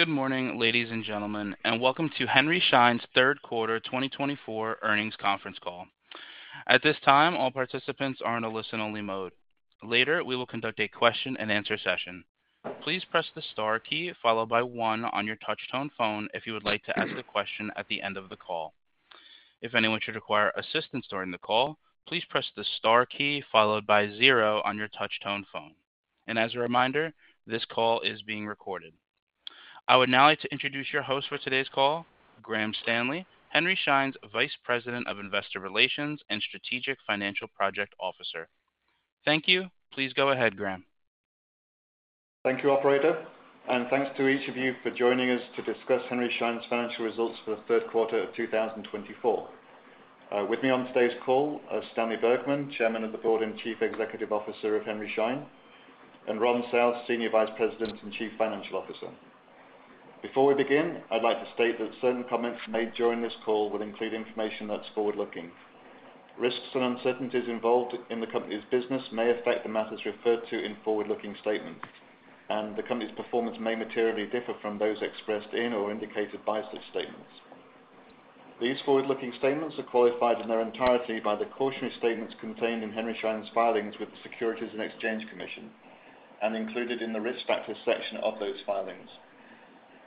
Good morning, ladies and gentlemen, and welcome to Henry Schein's Third Quarter 2024 earnings conference call. At this time, all participants are in a listen-only mode. Later, we will conduct a question-and-answer session. Please press the star key followed by one on your touch-tone phone if you would like to ask a question at the end of the call. If anyone should require assistance during the call, please press the star key followed by zero on your touch-tone phone. And as a reminder, this call is being recorded. I would now like to introduce your host for today's call, Graham Stanley, Henry Schein's Vice President of Investor Relations and Strategic Financial Project Officer. Thank you. Please go ahead, Graham. Thank you, Operator. And thanks to each of you for joining us to discuss Henry Schein's financial results for the third quarter of 2024. With me on today's call are Stanley Bergman, Chairman of the Board and Chief Executive Officer of Henry Schein, and Ron South, Senior Vice President and Chief Financial Officer. Before we begin, I'd like to state that certain comments made during this call will include information that's forward-looking. Risks and uncertainties involved in the company's business may affect the matters referred to in forward-looking statements, and the company's performance may materially differ from those expressed in or indicated by such statements. These forward-looking statements are qualified in their entirety by the cautionary statements contained in Henry Schein's filings with the Securities and Exchange Commission and included in the risk factors section of those filings.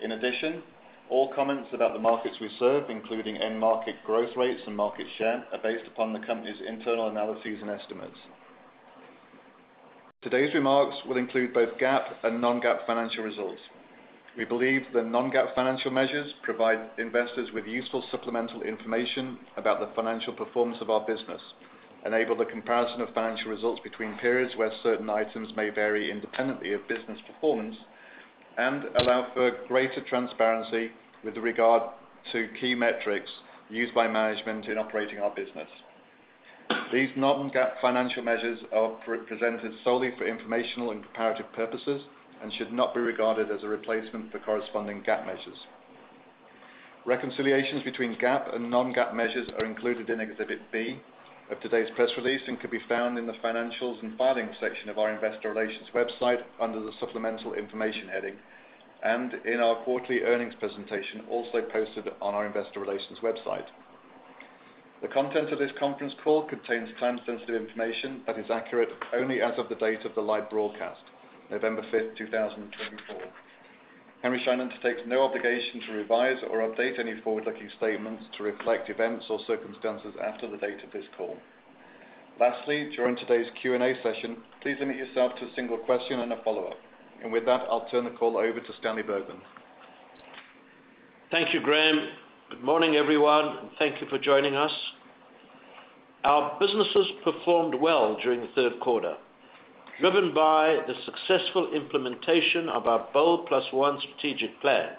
In addition, all comments about the markets we serve, including end market growth rates and market share, are based upon the company's internal analyses and estimates. Today's remarks will include both GAAP and non-GAAP financial results. We believe the non-GAAP financial measures provide investors with useful supplemental information about the financial performance of our business, enable the comparison of financial results between periods where certain items may vary independently of business performance, and allow for greater transparency with regard to key metrics used by management in operating our business. These non-GAAP financial measures are presented solely for informational and comparative purposes and should not be regarded as a replacement for corresponding GAAP measures. Reconciliations between GAAP and non-GAAP measures are included in Exhibit B of today's press release and can be found in the financials and filings section of our Investor Relations website under the supplemental information heading and in our quarterly earnings presentation also posted on our Investor Relations website. The content of this conference call contains time-sensitive information that is accurate only as of the date of the live broadcast, November 5th, 2024. Henry Schein undertakes no obligation to revise or update any forward-looking statements to reflect events or circumstances after the date of this call. Lastly, during today's Q&A session, please limit yourself to a single question and a follow-up, and with that, I'll turn the call over to Stanley Bergman. Thank you, Graham. Good morning, everyone, and thank you for joining us. Our businesses performed well during the third quarter, driven by the successful implementation of our BOLD+1 strategic plan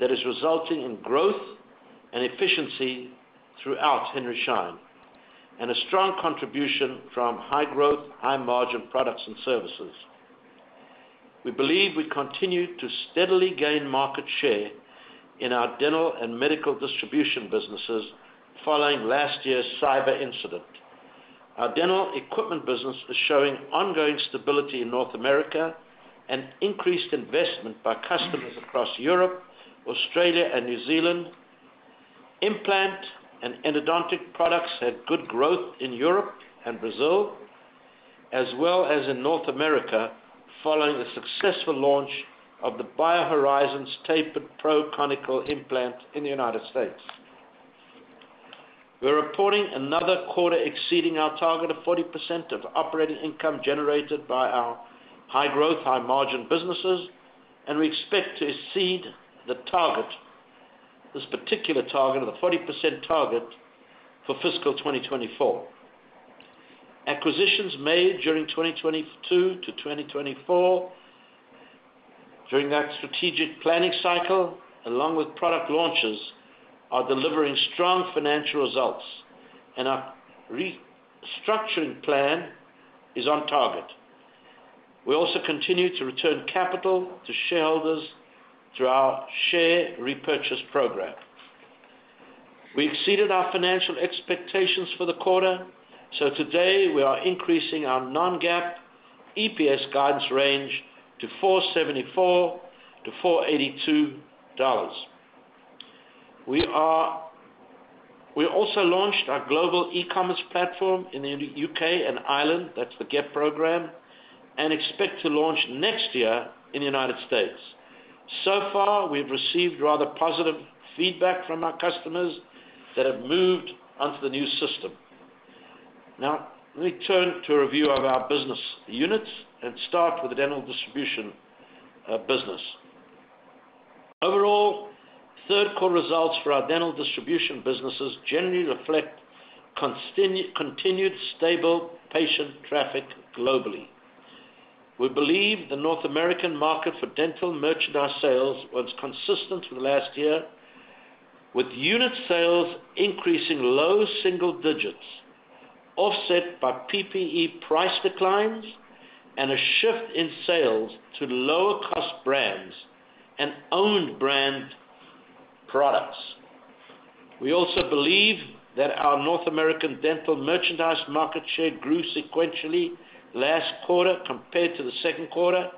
that is resulting in growth and efficiency throughout Henry Schein and a strong contribution from high-growth, high-margin products and services. We believe we continue to steadily gain market share in our dental and medical distribution businesses following last year's cyber incident. Our dental equipment business is showing ongoing stability in North America and increased investment by customers across Europe, Australia, and New Zealand. Implant and endodontic products had good growth in Europe and Brazil, as well as in North America, following the successful launch of the BioHorizons Tapered Pro Conical implant in the United States. We're reporting another quarter exceeding our target of 40% of operating income generated by our high-growth, high-margin businesses, and we expect to exceed this particular target of the 40% target for fiscal 2024. Acquisitions made during 2022 to 2024 during that strategic planning cycle, along with product launches, are delivering strong financial results, and our restructuring plan is on target. We also continue to return capital to shareholders through our share repurchase program. We exceeded our financial expectations for the quarter, so today we are increasing our non-GAAP EPS guidance range to $4.74-$4.82. We also launched our Global E-commerce Platform in the U.K. and Ireland. That's the GEP program, and expect to launch next year in the United States. So far, we've received rather positive feedback from our customers that have moved onto the new system. Now, let me turn to a review of our business units and start with the dental distribution business. Overall, third-quarter results for our dental distribution businesses generally reflect continued stable patient traffic globally. We believe the North American market for dental merchandise sales was consistent with last year, with unit sales increasing low single digits, offset by PPE price declines and a shift in sales to lower-cost brands and owned-brand products. We also believe that our North American dental merchandise market share grew sequentially last quarter compared to the second quarter,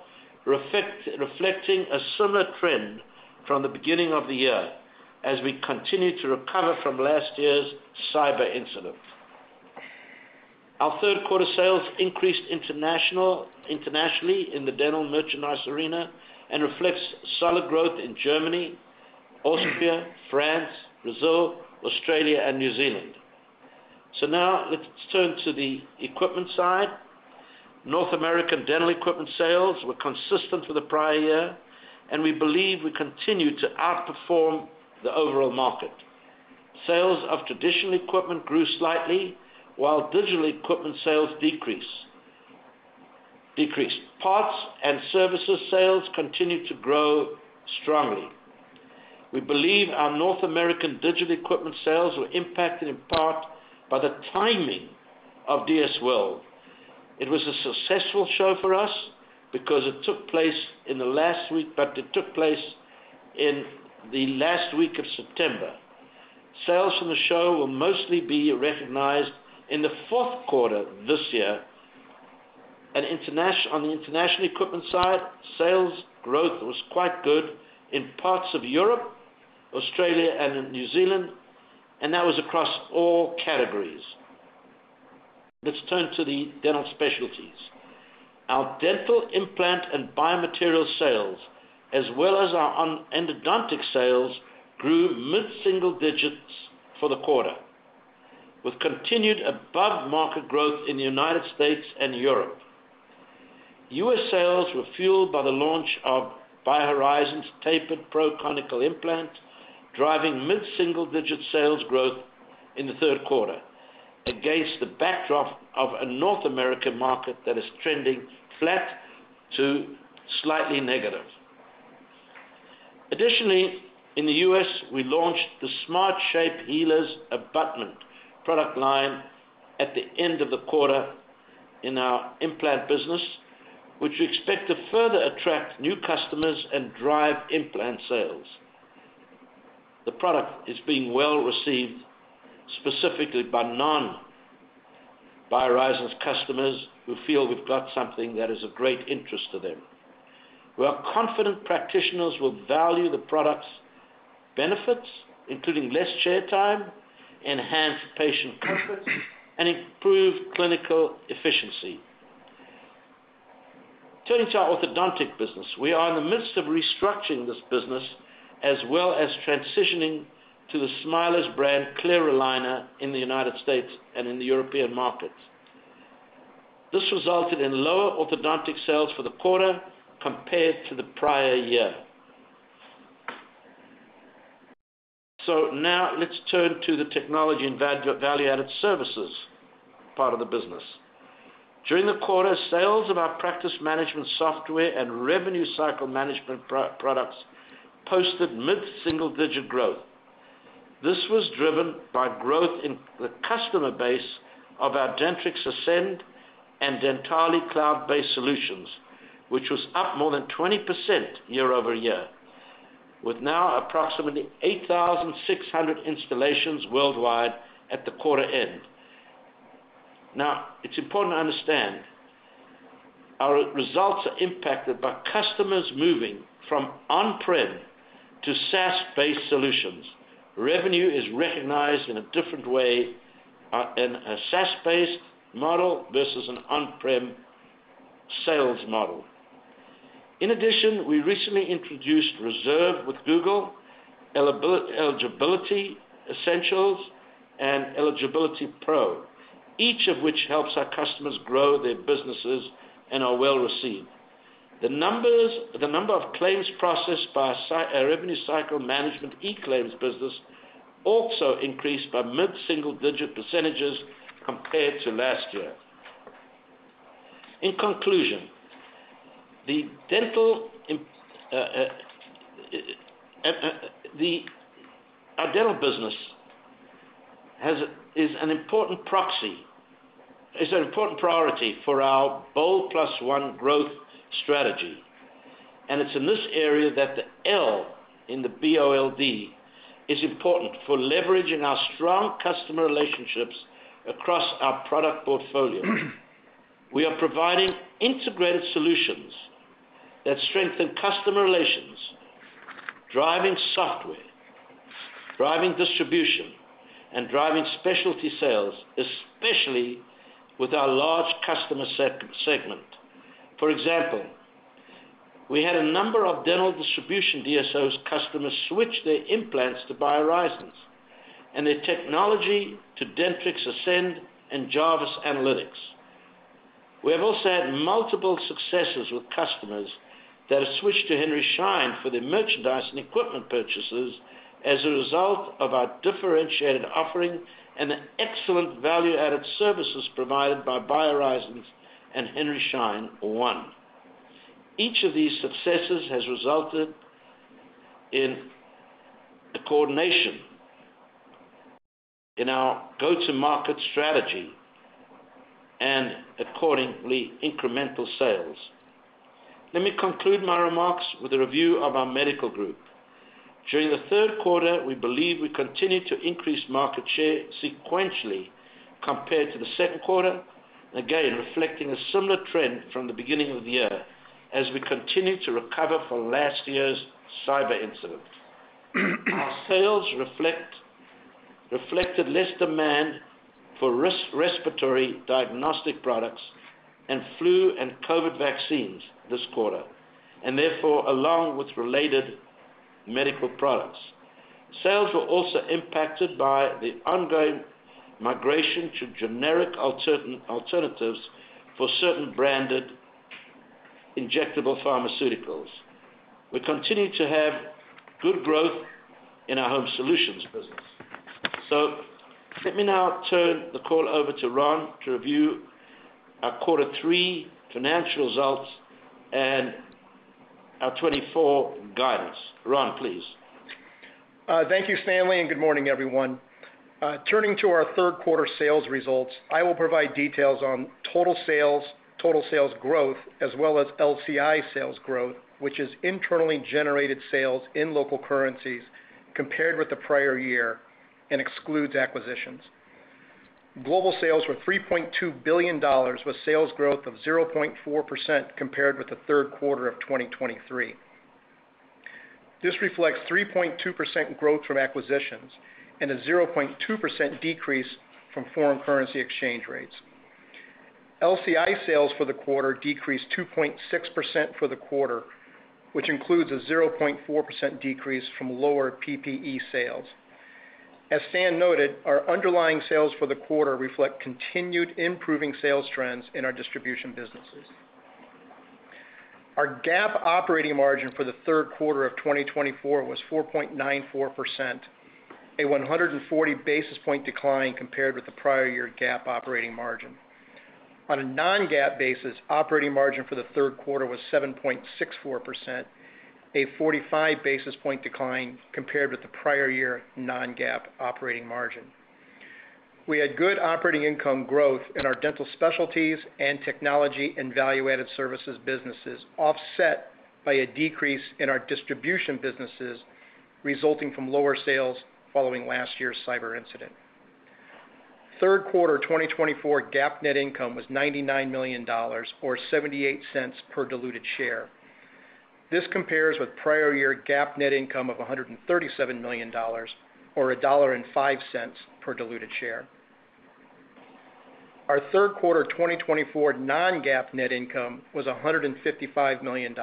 reflecting a similar trend from the beginning of the year as we continue to recover from last year's cyber incident. Our third-quarter sales increased internationally in the dental merchandise arena and reflects solid growth in Germany, Austria, France, Brazil, Australia, and New Zealand. So now let's turn to the equipment side. North American dental equipment sales were consistent for the prior year, and we believe we continue to outperform the overall market. Sales of traditional equipment grew slightly, while digital equipment sales decreased. Parts and services sales continued to grow strongly. We believe our North American digital equipment sales were impacted in part by the timing of DS World. It was a successful show for us because it took place in the last week, but it took place in the last week of September. Sales from the show will mostly be recognized in the fourth quarter this year. On the international equipment side, sales growth was quite good in parts of Europe, Australia, and New Zealand, and that was across all categories. Let's turn to the dental specialties. Our dental implant and biomaterial sales, as well as our endodontic sales, grew mid-single digits for the quarter, with continued above-market growth in the United States and Europe. U.S. sales were fueled by the launch of BioHorizons Tapered Pro Conical Implant, driving mid-single digit sales growth in the third quarter against the backdrop of a North American market that is trending flat to slightly negative. Additionally, in the U.S., we launched the SmartShape Healers Abutment product line at the end of the quarter in our implant business, which we expect to further attract new customers and drive implant sales. The product is being well-received specifically by non-BioHorizons customers who feel we've got something that is of great interest to them. We are confident practitioners will value the product's benefits, including less chair time, enhanced patient comfort, and improved clinical efficiency. Turning to our orthodontic business, we are in the midst of restructuring this business as well as transitioning to the Smilers brand clear aligner in the United States and in the European markets. This resulted in lower orthodontic sales for the quarter compared to the prior year. So now let's turn to the technology and value-added services part of the business. During the quarter, sales of our practice management software and revenue cycle management products posted mid-single digit growth. This was driven by growth in the customer base of our Dentrix Ascend and Dentally cloud-based solutions, which was up more than 20% year over year, with now approximately 8,600 installations worldwide at the quarter end. Now, it's important to understand our results are impacted by customers moving from on-prem to SaaS-based solutions. Revenue is recognized in a different way in a SaaS-based model versus an on-prem sales model. In addition, we recently introduced Reserve with Google, Eligibility Essentials, and Eligibility Pro, each of which helps our customers grow their businesses and are well-received. The number of claims processed by our revenue cycle management e-claims business also increased by mid-single digit percentages compared to last year. In conclusion, our dental business is an important priority for our Bold Plus One growth strategy, and it's in this area that the L in the B-O-L-D is important for leveraging our strong customer relationships across our product portfolio. We are providing integrated solutions that strengthen customer relations, driving software, driving distribution, and driving specialty sales, especially with our large customer segment. For example, we had a number of dental distribution DSOs' customers switch their implants to BioHorizons and their technology to Dentrix Ascend and Jarvis Analytics. We have also had multiple successes with customers that have switched to Henry Schein for their merchandise and equipment purchases as a result of our differentiated offering and the excellent value-added services provided by BioHorizons and Henry Schein One. Each of these successes has resulted in coordination in our go-to-market strategy and, accordingly, incremental sales. Let me conclude my remarks with a review of our medical group. During the third quarter, we believe we continue to increase market share sequentially compared to the second quarter, again reflecting a similar trend from the beginning of the year as we continue to recover from last year's cyber incident. Our sales reflected less demand for respiratory diagnostic products and flu and COVID vaccines this quarter, and therefore along with related medical products. Sales were also impacted by the ongoing migration to generic alternatives for certain branded injectable pharmaceuticals. We continue to have good growth in our home solutions business. So let me now turn the call over to Ron to review our quarter three financial results and our 2024 guidance. Ron, please. Thank you, Stanley, and good morning, everyone. Turning to our third-quarter sales results, I will provide details on total sales, total sales growth, as well as LCI sales growth, which is internally generated sales in local currencies compared with the prior year and excludes acquisitions. Global sales were $3.2 billion, with sales growth of 0.4% compared with the third quarter of 2023. This reflects 3.2% growth from acquisitions and a 0.2% decrease from foreign currency exchange rates. LCI sales for the quarter decreased 2.6% for the quarter, which includes a 0.4% decrease from lower PPE sales. As Stan noted, our underlying sales for the quarter reflect continued improving sales trends in our distribution businesses. Our GAAP operating margin for the third quarter of 2024 was 4.94%, a 140 basis point decline compared with the prior year GAAP operating margin. On a non-GAAP basis, operating margin for the third quarter was 7.64%, a 45 basis points decline compared with the prior year non-GAAP operating margin. We had good operating income growth in our dental specialties and technology and value-added services businesses, offset by a decrease in our distribution businesses resulting from lower sales following last year's cyber incident. Third quarter 2024 GAAP net income was $99 million, or $0.78 per diluted share. This compares with prior year GAAP net income of $137 million, or $1.05 per diluted share. Our third quarter 2024 non-GAAP net income was $155 million,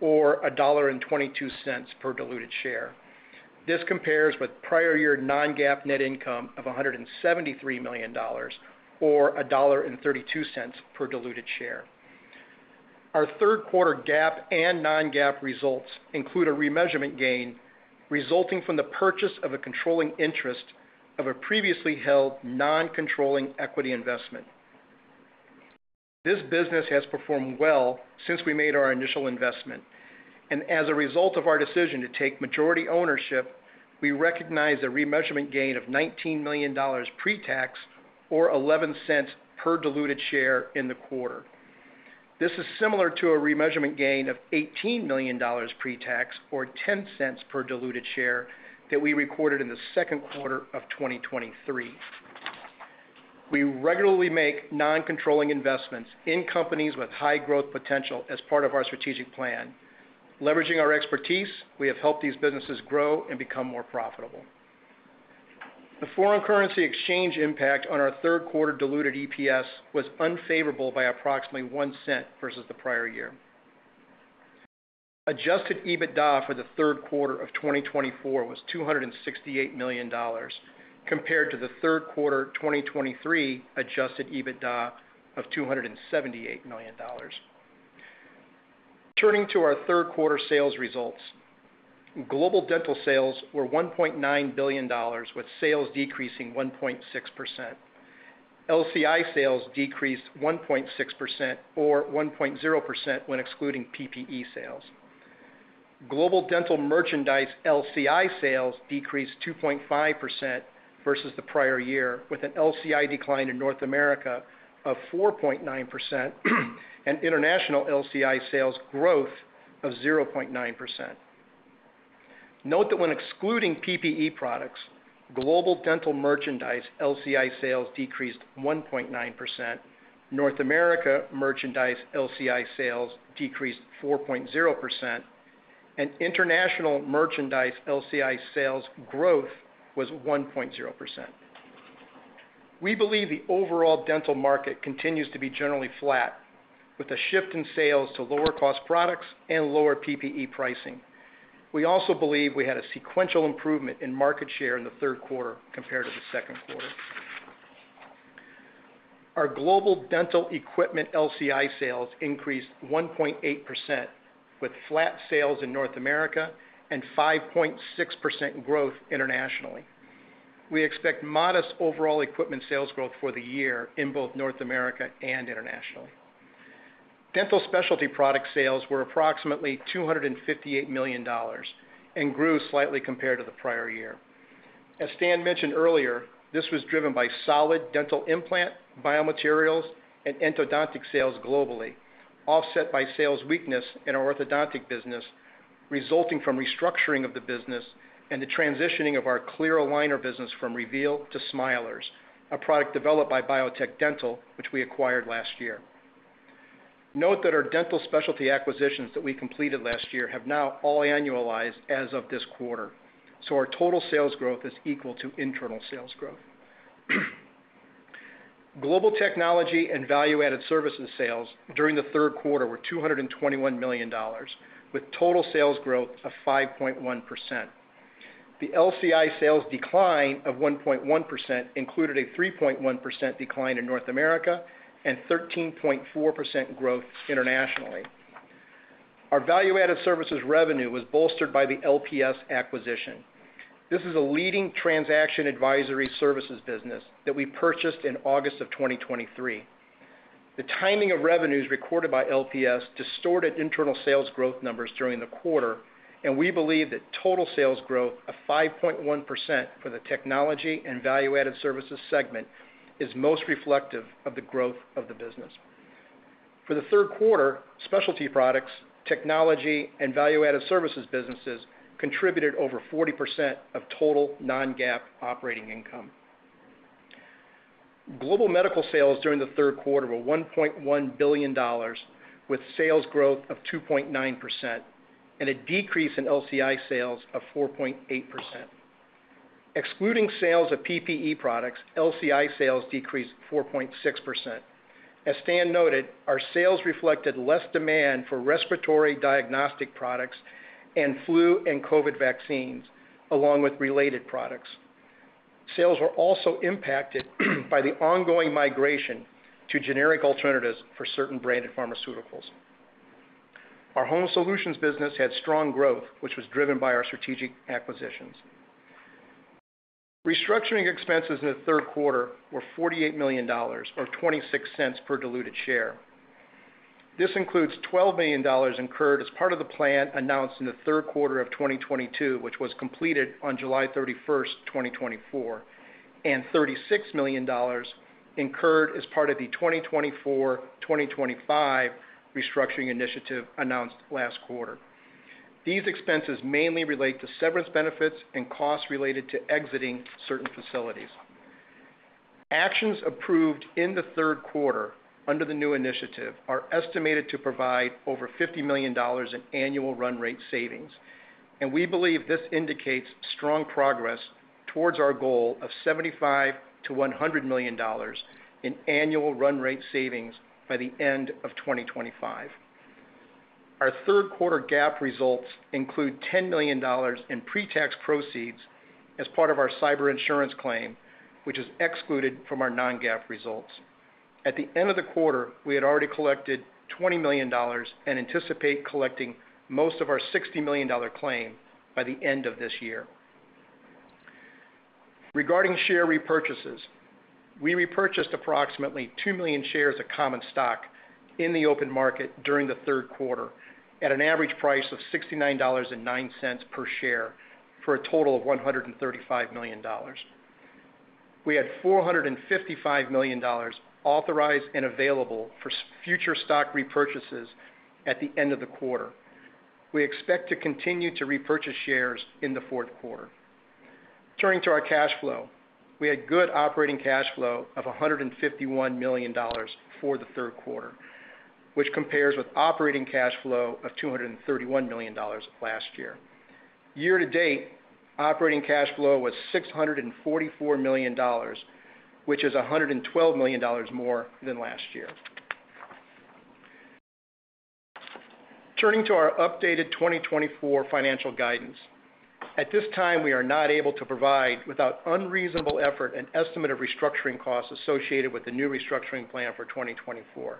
or $1.22 per diluted share. This compares with prior year non-GAAP net income of $173 million, or $1.32 per diluted share. Our third quarter GAAP and non-GAAP results include a remeasurement gain resulting from the purchase of a controlling interest of a previously held non-controlling equity investment. This business has performed well since we made our initial investment, and as a result of our decision to take majority ownership, we recognize a remeasurement gain of $19 million pre-tax, or 11 cents per diluted share in the quarter. This is similar to a remeasurement gain of $18 million pre-tax, or 10 cents per diluted share that we recorded in the second quarter of 2023. We regularly make non-controlling investments in companies with high growth potential as part of our strategic plan. Leveraging our expertise, we have helped these businesses grow and become more profitable. The foreign currency exchange impact on our third quarter diluted EPS was unfavorable by approximately 1 cent versus the prior year. Adjusted EBITDA for the third quarter of 2024 was $268 million, compared to the third quarter 2023 adjusted EBITDA of $278 million. Turning to our third quarter sales results, global dental sales were $1.9 billion, with sales decreasing 1.6%. LCI sales decreased 1.6%, or 1.0% when excluding PPE sales. Global dental merchandise LCI sales decreased 2.5% versus the prior year, with an LCI decline in North America of 4.9% and international LCI sales growth of 0.9%. Note that when excluding PPE products, global dental merchandise LCI sales decreased 1.9%, North America merchandise LCI sales decreased 4.0%, and international merchandise LCI sales growth was 1.0%. We believe the overall dental market continues to be generally flat, with a shift in sales to lower-cost products and lower PPE pricing. We also believe we had a sequential improvement in market share in the third quarter compared to the second quarter. Our global dental equipment LCI sales increased 1.8%, with flat sales in North America and 5.6% growth internationally. We expect modest overall equipment sales growth for the year in both North America and internationally. Dental specialty product sales were approximately $258 million and grew slightly compared to the prior year. As Stan mentioned earlier, this was driven by solid dental implant biomaterials and endodontic sales globally, offset by sales weakness in our orthodontic business resulting from restructuring of the business and the transitioning of our Clear Aligner business from Reveal to Smilers, a product developed by Biotech Dental, which we acquired last year. Note that our dental specialty acquisitions that we completed last year have now all annualized as of this quarter, so our total sales growth is equal to internal sales growth. Global technology and value-added services sales during the third quarter were $221 million, with total sales growth of 5.1%. The LCI sales decline of 1.1% included a 3.1% decline in North America and 13.4% growth internationally. Our value-added services revenue was bolstered by the LPS acquisition. This is a leading transaction advisory services business that we purchased in August of 2023. The timing of revenues recorded by LPS distorted internal sales growth numbers during the quarter, and we believe that total sales growth of 5.1% for the technology and value-added services segment is most reflective of the growth of the business. For the third quarter, specialty products, technology, and value-added services businesses contributed over 40% of total Non-GAAP operating income. Global medical sales during the third quarter were $1.1 billion, with sales growth of 2.9% and a decrease in LCI sales of 4.8%. Excluding sales of PPE products, LCI sales decreased 4.6%. As Stan noted, our sales reflected less demand for respiratory diagnostic products and flu and COVID vaccines, along with related products. Sales were also impacted by the ongoing migration to generic alternatives for certain branded pharmaceuticals. Our home solutions business had strong growth, which was driven by our strategic acquisitions. Restructuring expenses in the third quarter were $48 million, or $0.26 per diluted share. This includes $12 million incurred as part of the plan announced in the third quarter of 2022, which was completed on July 31st, 2024, and $36 million incurred as part of the 2024,2025 restructuring initiative announced last quarter. These expenses mainly relate to severance benefits and costs related to exiting certain facilities. Actions approved in the third quarter under the new initiative are estimated to provide over $50 million in annual run rate savings, and we believe this indicates strong progress towards our goal of $75 to $100 million in annual run rate savings by the end of 2025. Our third quarter GAAP results include $10 million in pre-tax proceeds as part of our cyber insurance claim, which is excluded from our non-GAAP results. At the end of the quarter, we had already collected $20 million and anticipate collecting most of our $60 million claim by the end of this year. Regarding share repurchases, we repurchased approximately 2 million shares of common stock in the open market during the third quarter at an average price of $69.09 per share for a total of $135 million. We had $455 million authorized and available for future stock repurchases at the end of the quarter. We expect to continue to repurchase shares in the fourth quarter. Turning to our cash flow, we had good operating cash flow of $151 million for the third quarter, which compares with operating cash flow of $231 million last year. Year-to-date, operating cash flow was $644 million, which is $112 million more than last year. Turning to our updated 2024 financial guidance, at this time, we are not able to provide, without unreasonable effort, an estimate of restructuring costs associated with the new restructuring plan for 2024,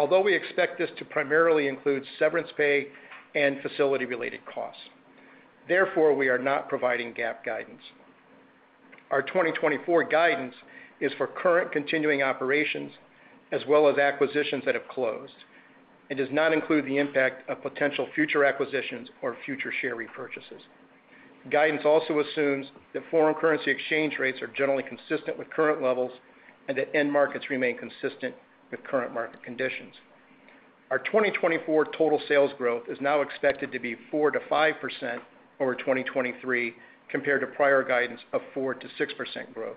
although we expect this to primarily include severance pay and facility-related costs. Therefore, we are not providing GAAP guidance. Our 2024 guidance is for current continuing operations as well as acquisitions that have closed and does not include the impact of potential future acquisitions or future share repurchases. Guidance also assumes that foreign currency exchange rates are generally consistent with current levels and that end markets remain consistent with current market conditions. Our 2024 total sales growth is now expected to be 4%-5% over 2023 compared to prior guidance of 4%-6% growth.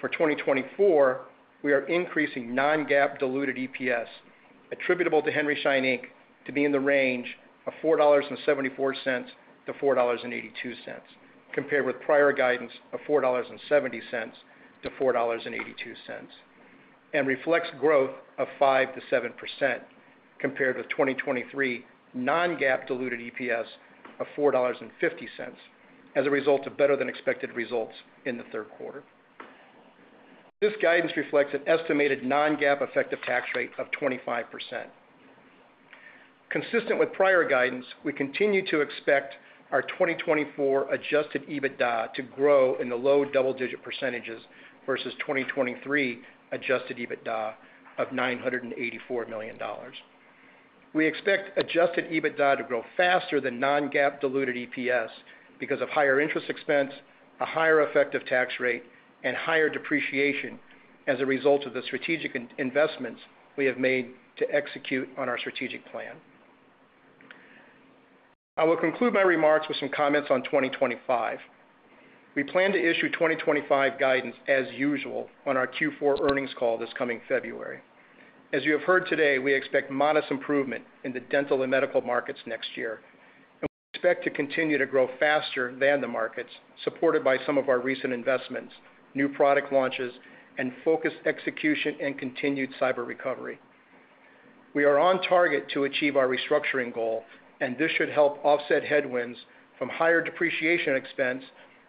For 2024, we are increasing non-GAAP diluted EPS attributable to Henry Schein, Inc., to be in the range of $4.74-$4.82, compared with prior guidance of $4.70-$4.82, and reflects growth of 5%-7% compared with 2023 non-GAAP diluted EPS of $4.50 as a result of better-than-expected results in the third quarter. This guidance reflects an estimated non-GAAP effective tax rate of 25%. Consistent with prior guidance, we continue to expect our 2024 adjusted EBITDA to grow in the low double-digit percentages versus 2023 adjusted EBITDA of $984 million. We expect Adjusted EBITDA to grow faster than non-GAAP diluted EPS because of higher interest expense, a higher effective tax rate, and higher depreciation as a result of the strategic investments we have made to execute on our strategic plan. I will conclude my remarks with some comments on 2025. We plan to issue 2025 guidance as usual on our Q4 earnings call this coming February. As you have heard today, we expect modest improvement in the dental and medical markets next year, and we expect to continue to grow faster than the markets, supported by some of our recent investments, new product launches, and focused execution and continued cyber recovery. We are on target to achieve our restructuring goal, and this should help offset headwinds from higher depreciation expense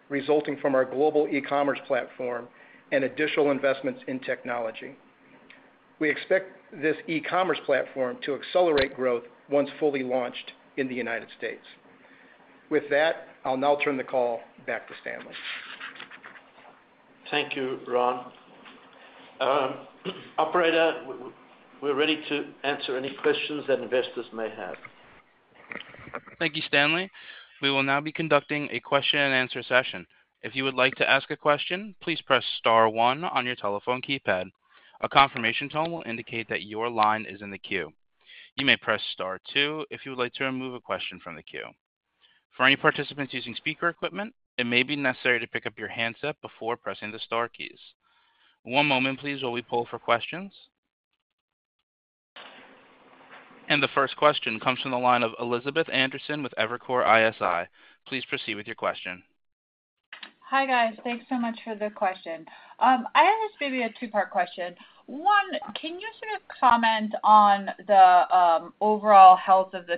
resulting from our global e-commerce platform and additional investments in technology. We expect this e-commerce platform to accelerate growth once fully launched in the United States. With that, I'll now turn the call back to Stanley. Thank you, Ron. Operator, we're ready to answer any questions that investors may have. Thank you, Stanley. We will now be conducting a question-and-answer session. If you would like to ask a question, please press Star one on your telephone keypad. A confirmation tone will indicate that your line is in the queue. You may press Star two if you would like to remove a question from the queue. For any participants using speaker equipment, it may be necessary to pick up your handset before pressing the Star keys. One moment, please, while we pull for questions, and the first question comes from the line of Elizabeth Anderson with Evercore ISI. Please proceed with your question. Hi, guys. Thanks so much for the question. I have this maybe a two-part question. One, can you sort of comment on the overall health of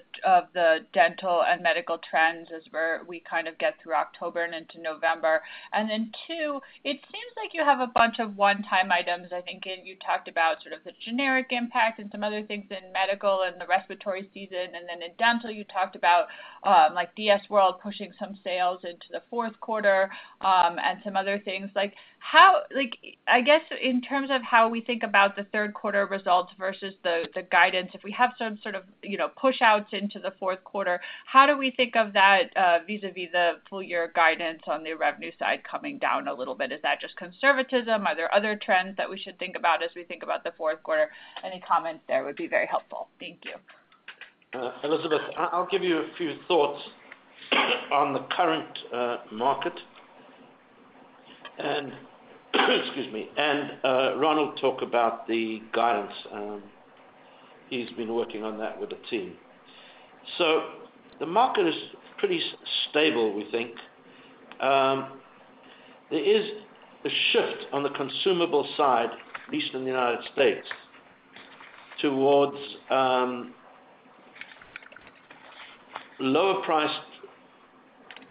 the dental and medical trends as we kind of get through October and into November? And then two, it seems like you have a bunch of one-time items. I think you talked about sort of the generic impact and some other things in medical and the respiratory season, and then in dental, you talked about DS World pushing some sales into the fourth quarter and some other things. I guess in terms of how we think about the third quarter results versus the guidance, if we have some sort of push-outs into the fourth quarter, how do we think of that vis-à-vis the full-year guidance on the revenue side coming down a little bit? Is that just conservatism? Are there other trends that we should think about as we think about the fourth quarter? Any comments there would be very helpful. Thank you. Elizabeth, I'll give you a few thoughts on the current market, and Ronald talked about the guidance. He's been working on that with the team, so the market is pretty stable, we think. There is a shift on the consumable side, at least in the United States, towards lower-priced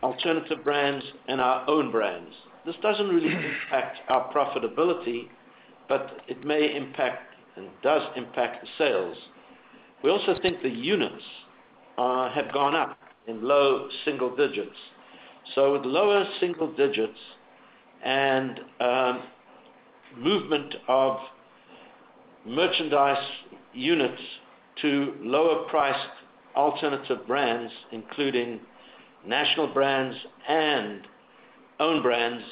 alternative brands and our own brands. This doesn't really impact our profitability, but it may impact and does impact the sales. We also think the units have gone up in low single digits, so with lower single digits and movement of merchandise units to lower-priced alternative brands, including national brands and own brands,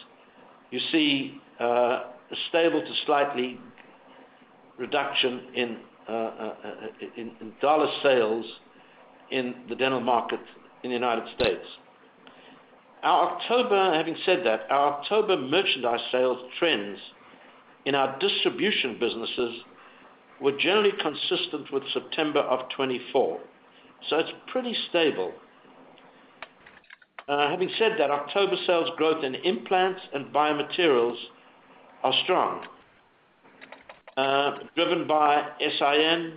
you see a stable to slightly reduction in Dollar sales in the dental market in the United States. Having said that, our October merchandise sales trends in our distribution businesses were generally consistent with September of 2024, so it's pretty stable. Having said that, October sales growth in implants and biomaterials are strong, driven by SIN,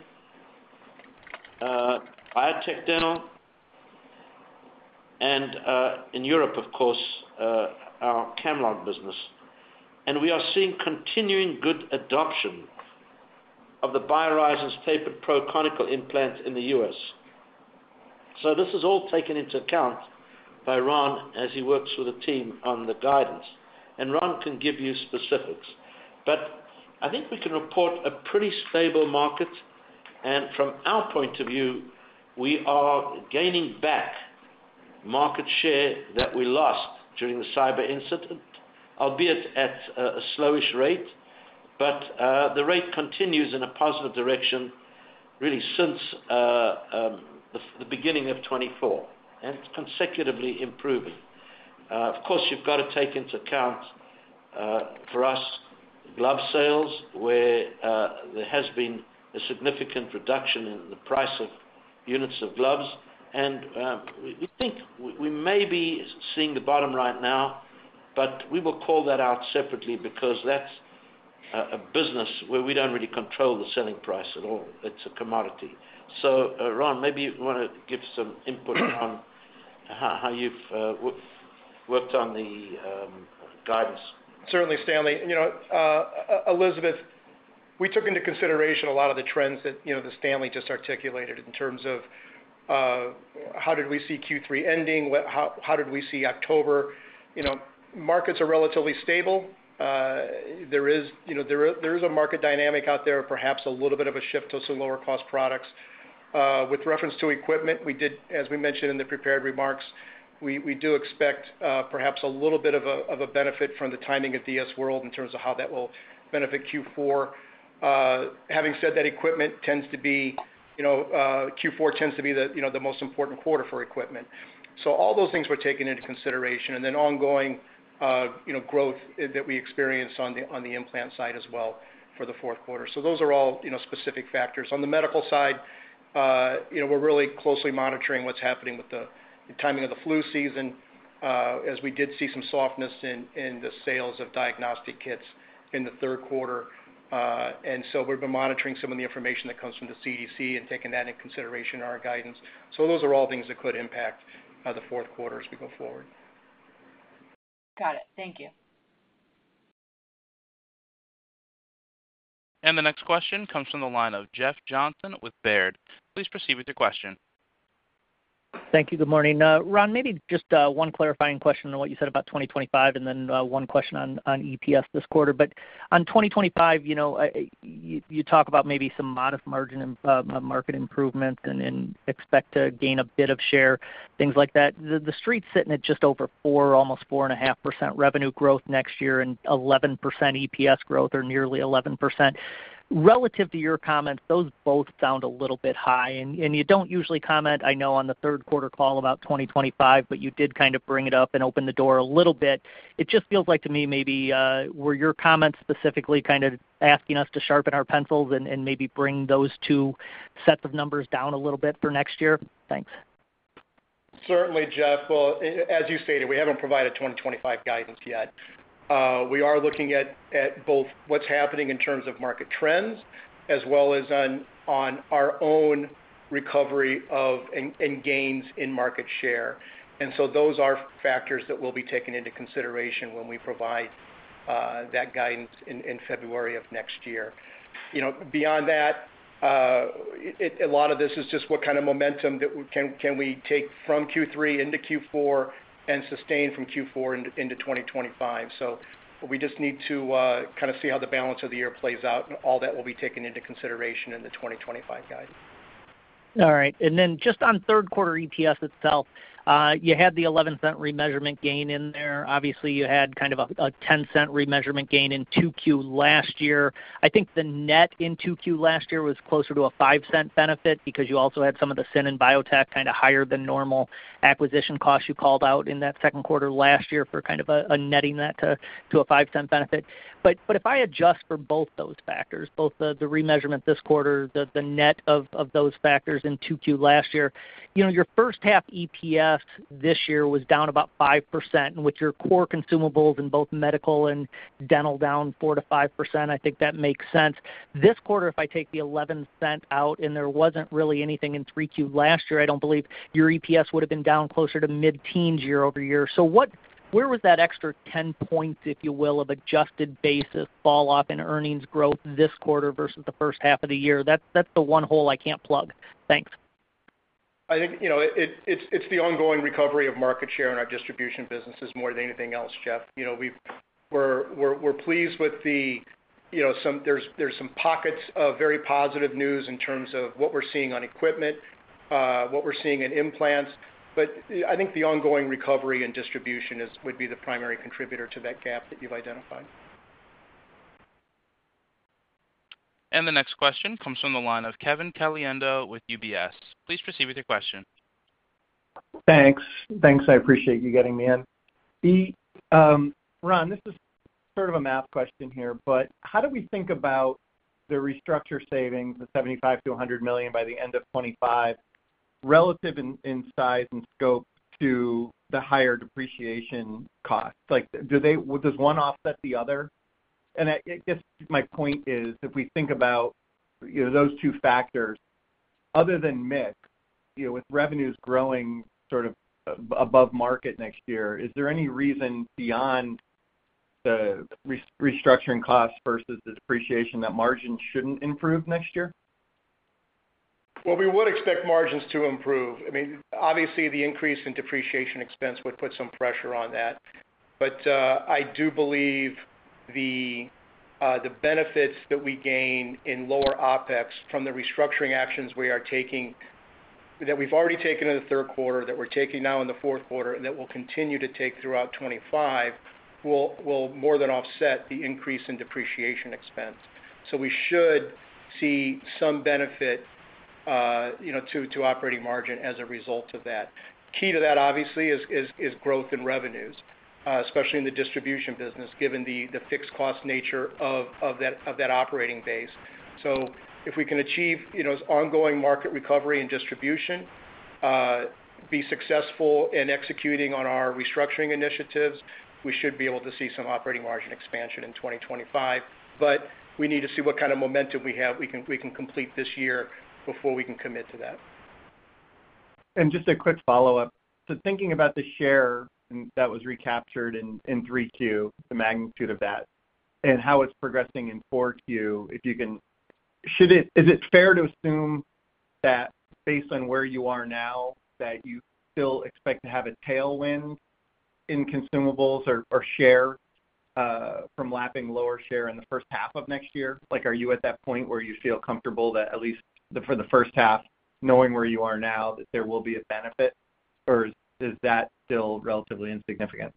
Biotech Dental, and in Europe, of course, our Camlog business, and we are seeing continuing good adoption of the BioHorizons Tapered Pro Conical implants in the U.S., so this is all taken into account by Ron as he works with the team on the guidance, and Ron can give you specifics, but I think we can report a pretty stable market, and from our point of view, we are gaining back market share that we lost during the cyber incident, albeit at a slowish rate, but the rate continues in a positive direction really since the beginning of 2024, and it's consecutively improving. Of course, you've got to take into account for us glove sales, where there has been a significant reduction in the price of units of gloves. We think we may be seeing the bottom right now, but we will call that out separately because that's a business where we don't really control the selling price at all. It's a commodity. Ron, maybe you want to give some input on how you've worked on the guidance. Certainly, Stanley. Elizabeth, we took into consideration a lot of the trends that Stanley just articulated in terms of how did we see Q3 ending, how did we see October. Markets are relatively stable. There is a market dynamic out there, perhaps a little bit of a shift to some lower-cost products. With reference to equipment, we did, as we mentioned in the prepared remarks, we do expect perhaps a little bit of a benefit from the timing of DS World in terms of how that will benefit Q4. Having said that, Q4 tends to be the most important quarter for equipment. So all those things were taken into consideration, and then ongoing growth that we experienced on the implant side as well for the fourth quarter. So those are all specific factors. On the medical side, we're really closely monitoring what's happening with the timing of the flu season as we did see some softness in the sales of diagnostic kits in the third quarter, and so we've been monitoring some of the information that comes from the CDC and taking that into consideration in our guidance, so those are all things that could impact the fourth quarter as we go forward. Got it. Thank you. The next question comes from the line of Jeff Johnson with Baird. Please proceed with your question. Thank you. Good morning. Ron, maybe just one clarifying question on what you said about 2025, and then one question on EPS this quarter. But on 2025, you talk about maybe some modest margin market improvements and expect to gain a bit of share, things like that. The street's sitting at just over 4%, almost 4.5% revenue growth next year and 11% EPS growth or nearly 11%. Relative to your comments, those both sound a little bit high. And you don't usually comment, I know, on the third quarter call about 2025, but you did kind of bring it up and open the door a little bit. It just feels like to me maybe were your comments specifically kind of asking us to sharpen our pencils and maybe bring those two sets of numbers down a little bit for next year? Thanks. Certainly, Jeff. Well, as you stated, we haven't provided 2025 guidance yet. We are looking at both what's happening in terms of market trends as well as on our own recovery and gains in market share. And so those are factors that we'll be taking into consideration when we provide that guidance in February of next year. Beyond that, a lot of this is just what kind of momentum can we take from Q3 into Q4 and sustain from Q4 into 2025. So we just need to kind of see how the balance of the year plays out, and all that will be taken into consideration in the 2025 guidance. All right. And then just on third quarter EPS itself, you had the $0.11 remeasurement gain in there. Obviously, you had kind of a $0.10 remeasurement gain in 2Q last year. I think the net in 2Q last year was closer to a $0.05 benefit because you also had some of the SIN and Biotech kind of higher than normal acquisition costs you called out in that second quarter last year for kind of netting that to a [$0.05] benefit. But if I adjust for both those factors, both the remeasurement this quarter, the net of those factors in 2Q last year, your first half EPS this year was down about 5%, with your core consumables in both medical and dental down 4%-5%. I think that makes sense. This quarter, if I take the $0.11 out and there wasn't really anything in 3Q last year, I don't believe your EPS would have been down closer to mid-teens year over year. So where was that extra 10 points, if you will, of adjusted basis fall off in earnings growth this quarter versus the first half of the year? That's the one hole I can't plug. Thanks. I think it's the ongoing recovery of market share in our distribution businesses more than anything else, Jeff. We're pleased. There's some pockets of very positive news in terms of what we're seeing on equipment, what we're seeing in implants, but I think the ongoing recovery in distribution would be the primary contributor to that gap that you've identified. The next question comes from the line of Kevin Caliendo with UBS. Please proceed with your question. Thanks. Thanks. I appreciate you getting me in. Ron, this is sort of a math question here, but how do we think about the restructure savings, the $75 million to $100 million by the end of 2025, relative in size and scope to the higher depreciation costs? Does one offset the other? And I guess my point is, if we think about those two factors, other than MIX, with revenues growing sort of above market next year, is there any reason beyond the restructuring costs versus the depreciation that margins shouldn't improve next year? We would expect margins to improve. I mean, obviously, the increase in depreciation expense would put some pressure on that. But I do believe the benefits that we gain in lower OpEx from the restructuring actions we are taking, that we've already taken in the third quarter, that we're taking now in the fourth quarter, and that we'll continue to take throughout 2025, will more than offset the increase in depreciation expense. So we should see some benefit to operating margin as a result of that. Key to that, obviously, is growth in revenues, especially in the distribution business, given the fixed cost nature of that operating base. So if we can achieve ongoing market recovery and distribution, be successful in executing on our restructuring initiatives, we should be able to see some operating margin expansion in 2025. But we need to see what kind of momentum we have we can complete this year before we can commit to that. Just a quick follow-up. Thinking about the share that was recaptured in 3Q, the magnitude of that, and how it's progressing in 4Q, if you can, is it fair to assume that based on where you are now, that you still expect to have a tailwind in consumables or share from lapping lower share in the first half of next year? Are you at that point where you feel comfortable that at least for the first half, knowing where you are now, that there will be a benefit? Or is that still relatively insignificant?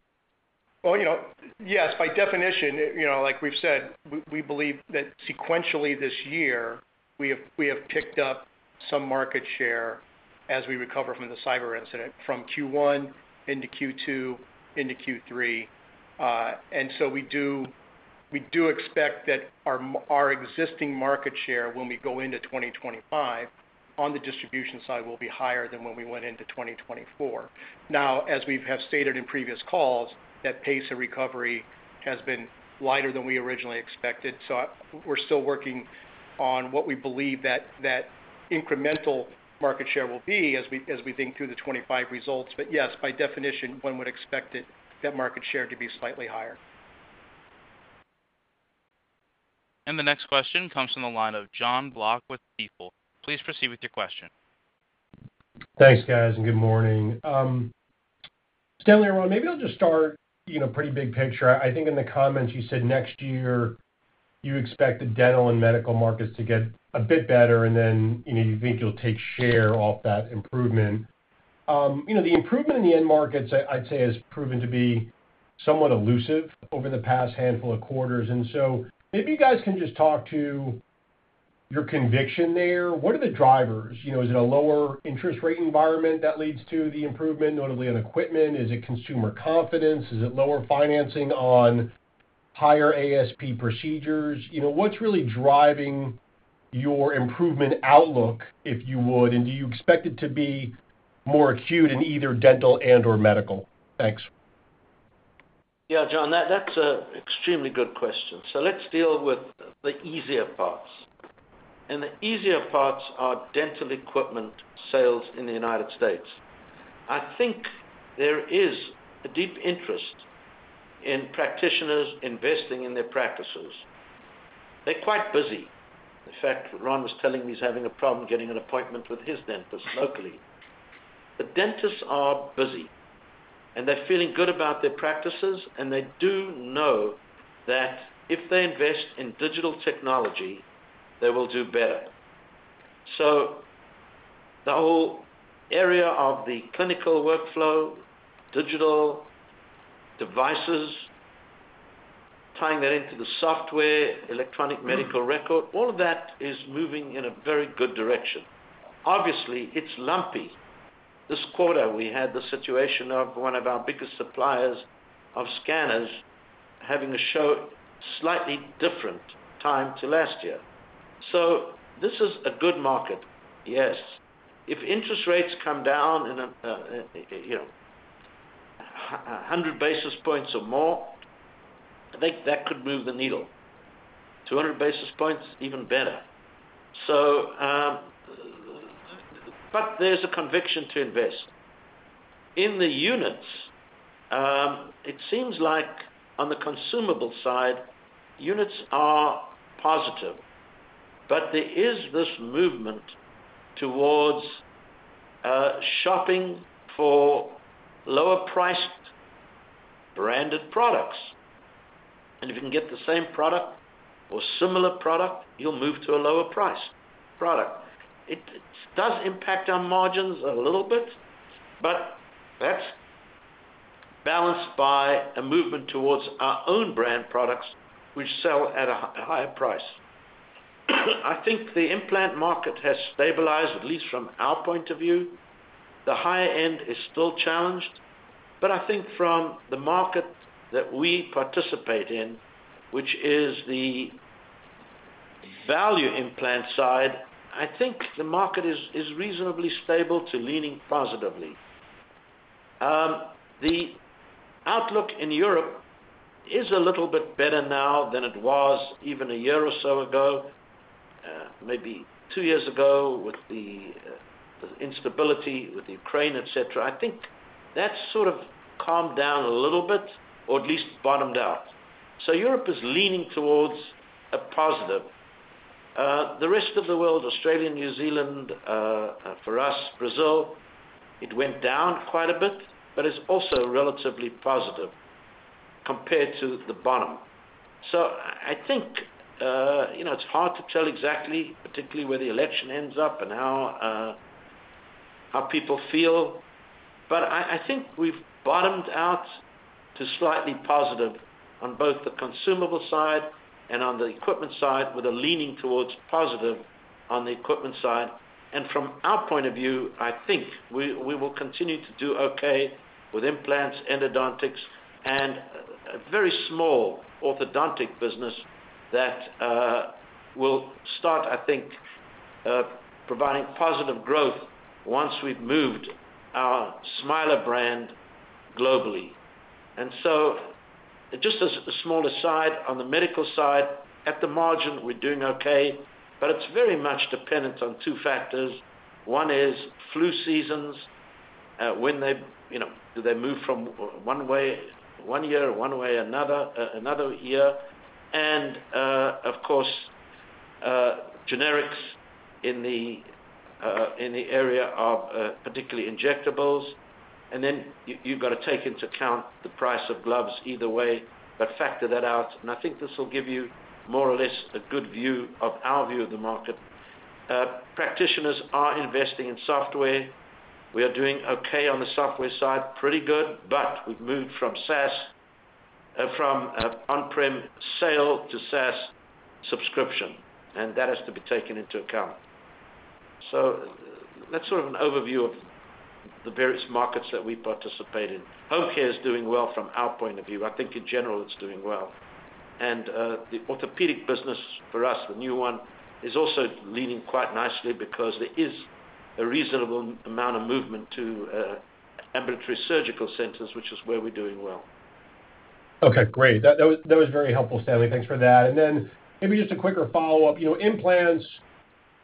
Yes, by definition, like we've said, we believe that sequentially this year, we have picked up some market share as we recover from the cyber incident from Q1 into Q2 into Q3. We do expect that our existing market share when we go into 2025 on the distribution side will be higher than when we went into 2024. Now, as we have stated in previous calls, that pace of recovery has been lighter than we originally expected. We're still working on what we believe that incremental market share will be as we think through the 2025 results. Yes, by definition, one would expect that market share to be slightly higher. And the next question comes from the line of John Block with Stifel. Please proceed with your question. Thanks, guys, and good morning. Stanley or Ron, maybe I'll just start pretty big picture. I think in the comments, you said next year you expect the dental and medical markets to get a bit better, and then you think you'll take share off that improvement. The improvement in the end markets, I'd say, has proven to be somewhat elusive over the past handful of quarters. And so maybe you guys can just talk to your conviction there. What are the drivers? Is it a lower interest rate environment that leads to the improvement, notably on equipment? Is it consumer confidence? Is it lower financing on higher ASP procedures? What's really driving your improvement outlook, if you would? And do you expect it to be more acute in either dental and/or medical? Thanks. Yeah, John, that's an extremely good question, so let's deal with the easier parts, and the easier parts are dental equipment sales in the United States. I think there is a deep interest in practitioners investing in their practices. They're quite busy. In fact, Ron was telling me he's having a problem getting an appointment with his dentist locally. The dentists are busy, and they're feeling good about their practices, and they do know that if they invest in digital technology, they will do better, so the whole area of the clinical workflow, digital devices, tying that into the software, electronic medical record, all of that is moving in a very good direction. Obviously, it's lumpy. This quarter, we had the situation of one of our biggest suppliers of scanners having a show slightly different time to last year, so this is a good market, yes. If interest rates come down 100 basis points or more, I think that could move the needle. 200 basis points, even better. But there's a conviction to invest. In the units, it seems like on the consumable side, units are positive, but there is this movement towards shopping for lower-priced branded products. And if you can get the same product or similar product, you'll move to a lower-priced product. It does impact our margins a little bit, but that's balanced by a movement towards our own brand products, which sell at a higher price. I think the implant market has stabilized, at least from our point of view. The higher end is still challenged, but I think from the market that we participate in, which is the value implant side, I think the market is reasonably stable to leaning positively. The outlook in Europe is a little bit better now than it was even a year or so ago, maybe two years ago with the instability with Ukraine, etc. I think that's sort of calmed down a little bit, or at least bottomed out. So Europe is leaning towards a positive. The rest of the world, Australia, New Zealand, for us, Brazil, it went down quite a bit, but it's also relatively positive compared to the bottom. So I think it's hard to tell exactly, particularly where the election ends up and how people feel. But I think we've bottomed out to slightly positive on both the consumable side and on the equipment side, with a leaning towards positive on the equipment side. And from our point of view, I think we will continue to do okay with implants, endodontics, and a very small orthodontic business that will start, I think, providing positive growth once we've moved our Smilers brand globally. And so just a smaller side on the medical side, at the margin, we're doing okay, but it's very much dependent on two factors. One is flu seasons, when they do, they move from one way one year or one way another year. And of course, generics in the area of particularly injectables. And then you've got to take into account the price of gloves either way, but factor that out. And I think this will give you more or less a good view of our view of the market. Practitioners are investing in software. We are doing okay on the software side, pretty good, but we've moved from on-prem sale to SaaS subscription, and that has to be taken into account. So that's sort of an overview of the various markets that we participate in. Home Care is doing well from our point of view. I think in general, it's doing well. And the orthopedic business for us, the new one, is also leaning quite nicely because there is a reasonable amount of movement to ambulatory surgical centers, which is where we're doing well. Okay, great. That was very helpful, Stanley. Thanks for that. And then maybe just a quicker follow-up. Implants,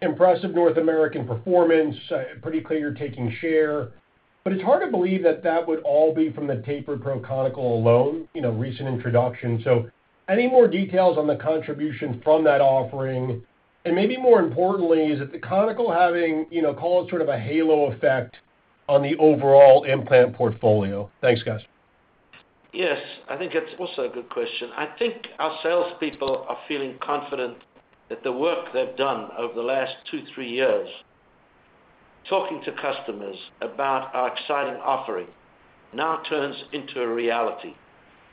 impressive North American performance, pretty clear taking share. But it's hard to believe that that would all be from the Tapered Pro Conical alone, recent introduction. So any more details on the contribution from that offering? And maybe more importantly, is it the Conical having a sort of halo effect on the overall implant portfolio? Thanks, guys. Yes, I think that's also a good question. I think our salespeople are feeling confident that the work they've done over the last two, three years talking to customers about our exciting offering now turns into a reality.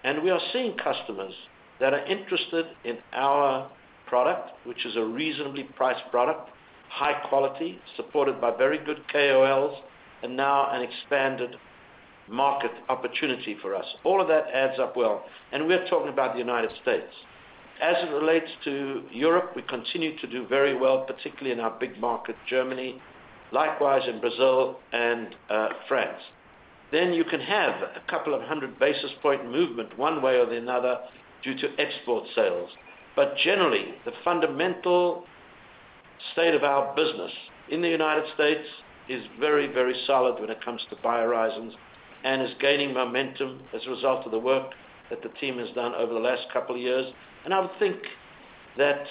And we are seeing customers that are interested in our product, which is a reasonably priced product, high quality, supported by very good KOLs, and now an expanded market opportunity for us. All of that adds up well. And we're talking about the United States. As it relates to Europe, we continue to do very well, particularly in our big market, Germany, likewise in Brazil and France. Then you can have a couple of hundred basis points movement one way or the other due to export sales. But generally, the fundamental state of our business in the United States is very, very solid when it comes to BioHorizons and is gaining momentum as a result of the work that the team has done over the last couple of years. And I would think that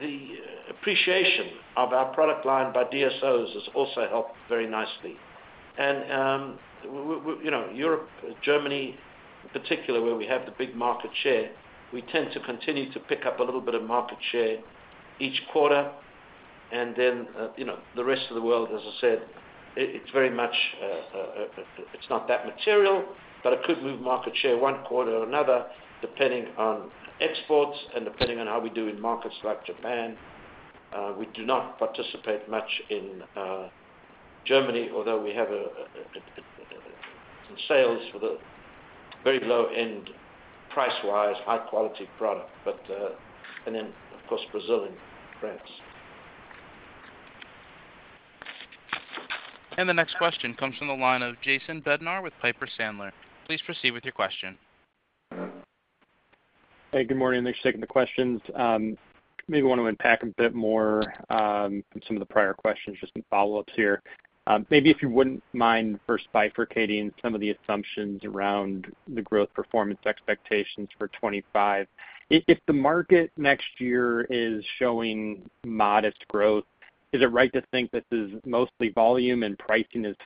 the appreciation of our product line by DSOs has also helped very nicely. And Europe, Germany, in particular, where we have the big market share, we tend to continue to pick up a little bit of market share each quarter. And then the rest of the world, as I said, it's very much not that material, but it could move market share one quarter or another, depending on exports and depending on how we do in markets like Japan. We do not participate much in Germany, although we have sales for the very low-end price-wise, high-quality product. And then, of course, Brazil and France. And the next question comes from the line of Jason Bednar with Piper Sandler. Please proceed with your question. Hey, good morning. Thanks for taking the questions. Maybe want to unpack a bit more from some of the prior questions, just some follow-ups here. Maybe if you wouldn't mind first bifurcating some of the assumptions around the growth performance expectations for 2025. If the market next year is showing modest growth, is it right to think this is mostly volume and pricing is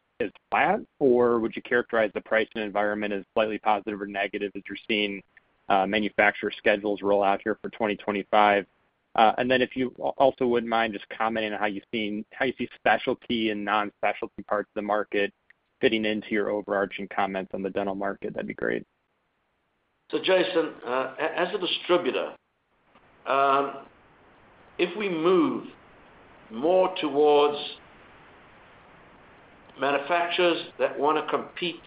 flat? Or would you characterize the pricing environment as slightly positive or negative as you're seeing manufacturer schedules roll out here for 2025? And then if you also wouldn't mind just commenting on how you see specialty and non-specialty parts of the market fitting into your overarching comments on the dental market, that'd be great. So Jason, as a distributor, if we move more towards manufacturers that want to compete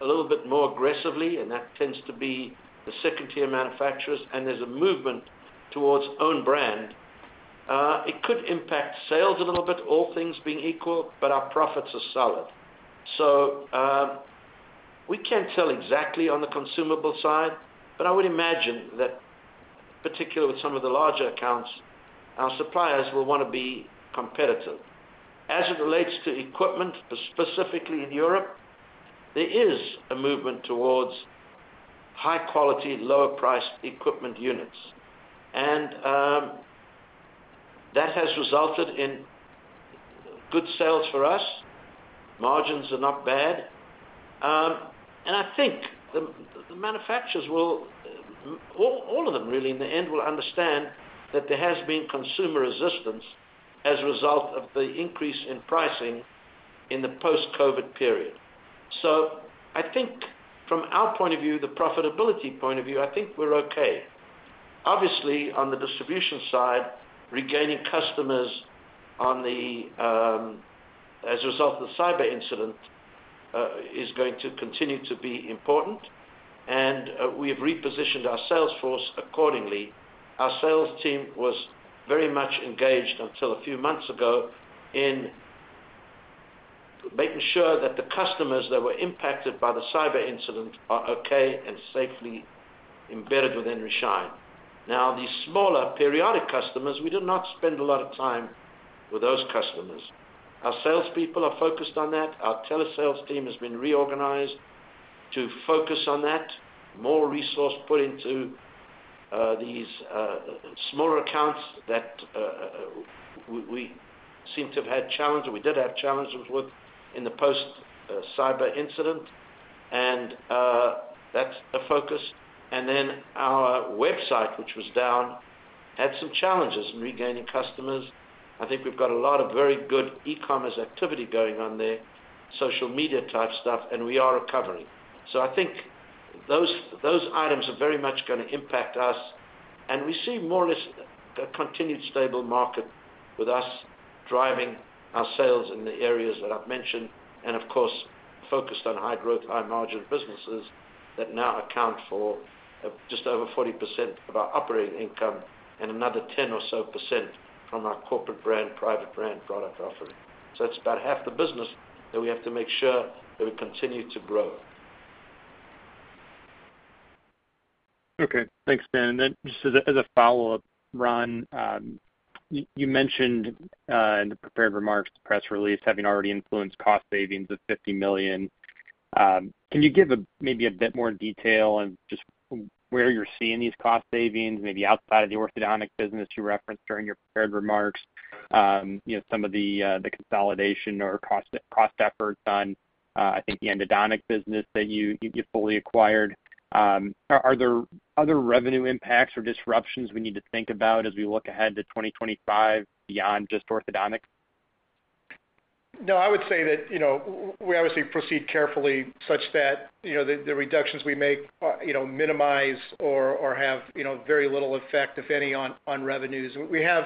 a little bit more aggressively, and that tends to be the second-tier manufacturers, and there's a movement towards own brand, it could impact sales a little bit, all things being equal, but our profits are solid. So we can't tell exactly on the consumable side, but I would imagine that particularly with some of the larger accounts, our suppliers will want to be competitive. As it relates to equipment, specifically in Europe, there is a movement towards high-quality, lower-priced equipment units. And that has resulted in good sales for us. Margins are not bad. And I think the manufacturers will, all of them really, in the end will understand that there has been consumer resistance as a result of the increase in pricing in the post-COVID period. I think from our point of view, the profitability point of view, I think we're okay. Obviously, on the distribution side, regaining customers as a result of the cyber incident is going to continue to be important. We have repositioned our sales force accordingly. Our sales team was very much engaged until a few months ago in making sure that the customers that were impacted by the cyber incident are okay and safely embedded within our systems. Now, the smaller periodic customers, we do not spend a lot of time with those customers. Our salespeople are focused on that. Our telesales team has been reorganized to focus on that, more resource put into these smaller accounts that we seem to have had challenges. We did have challenges with in the post-cyber incident. That's a focus. Our website, which was down, had some challenges in regaining customers. I think we've got a lot of very good e-commerce activity going on there, social media type stuff, and we are recovering. So I think those items are very much going to impact us. And we see more or less a continued stable market with us driving our sales in the areas that I've mentioned. And of course, focused on high-growth, high-margin businesses that now account for just over 40% of our operating income and another 10% or so from our corporate brand, private brand product offering. So it's about half the business that we have to make sure that we continue to grow. Okay. Thanks, Dan. And then just as a follow-up, Ron, you mentioned in the prepared remarks, the press release having already influenced cost savings of $50 million. Can you give maybe a bit more detail on just where you're seeing these cost savings, maybe outside of the orthodontic business you referenced during your prepared remarks, some of the consolidation or cost efforts on, I think, the endodontic business that you fully acquired? Are there other revenue impacts or disruptions we need to think about as we look ahead to 2025 beyond just orthodontics? No, I would say that we obviously proceed carefully such that the reductions we make minimize or have very little effect, if any, on revenues. We have,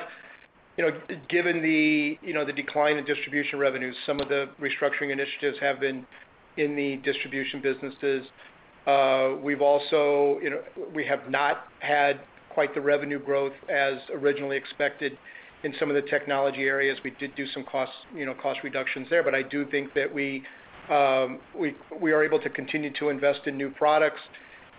given the decline in distribution revenues, some of the restructuring initiatives have been in the distribution businesses. We have not had quite the revenue growth as originally expected in some of the technology areas. We did do some cost reductions there, but I do think that we are able to continue to invest in new products.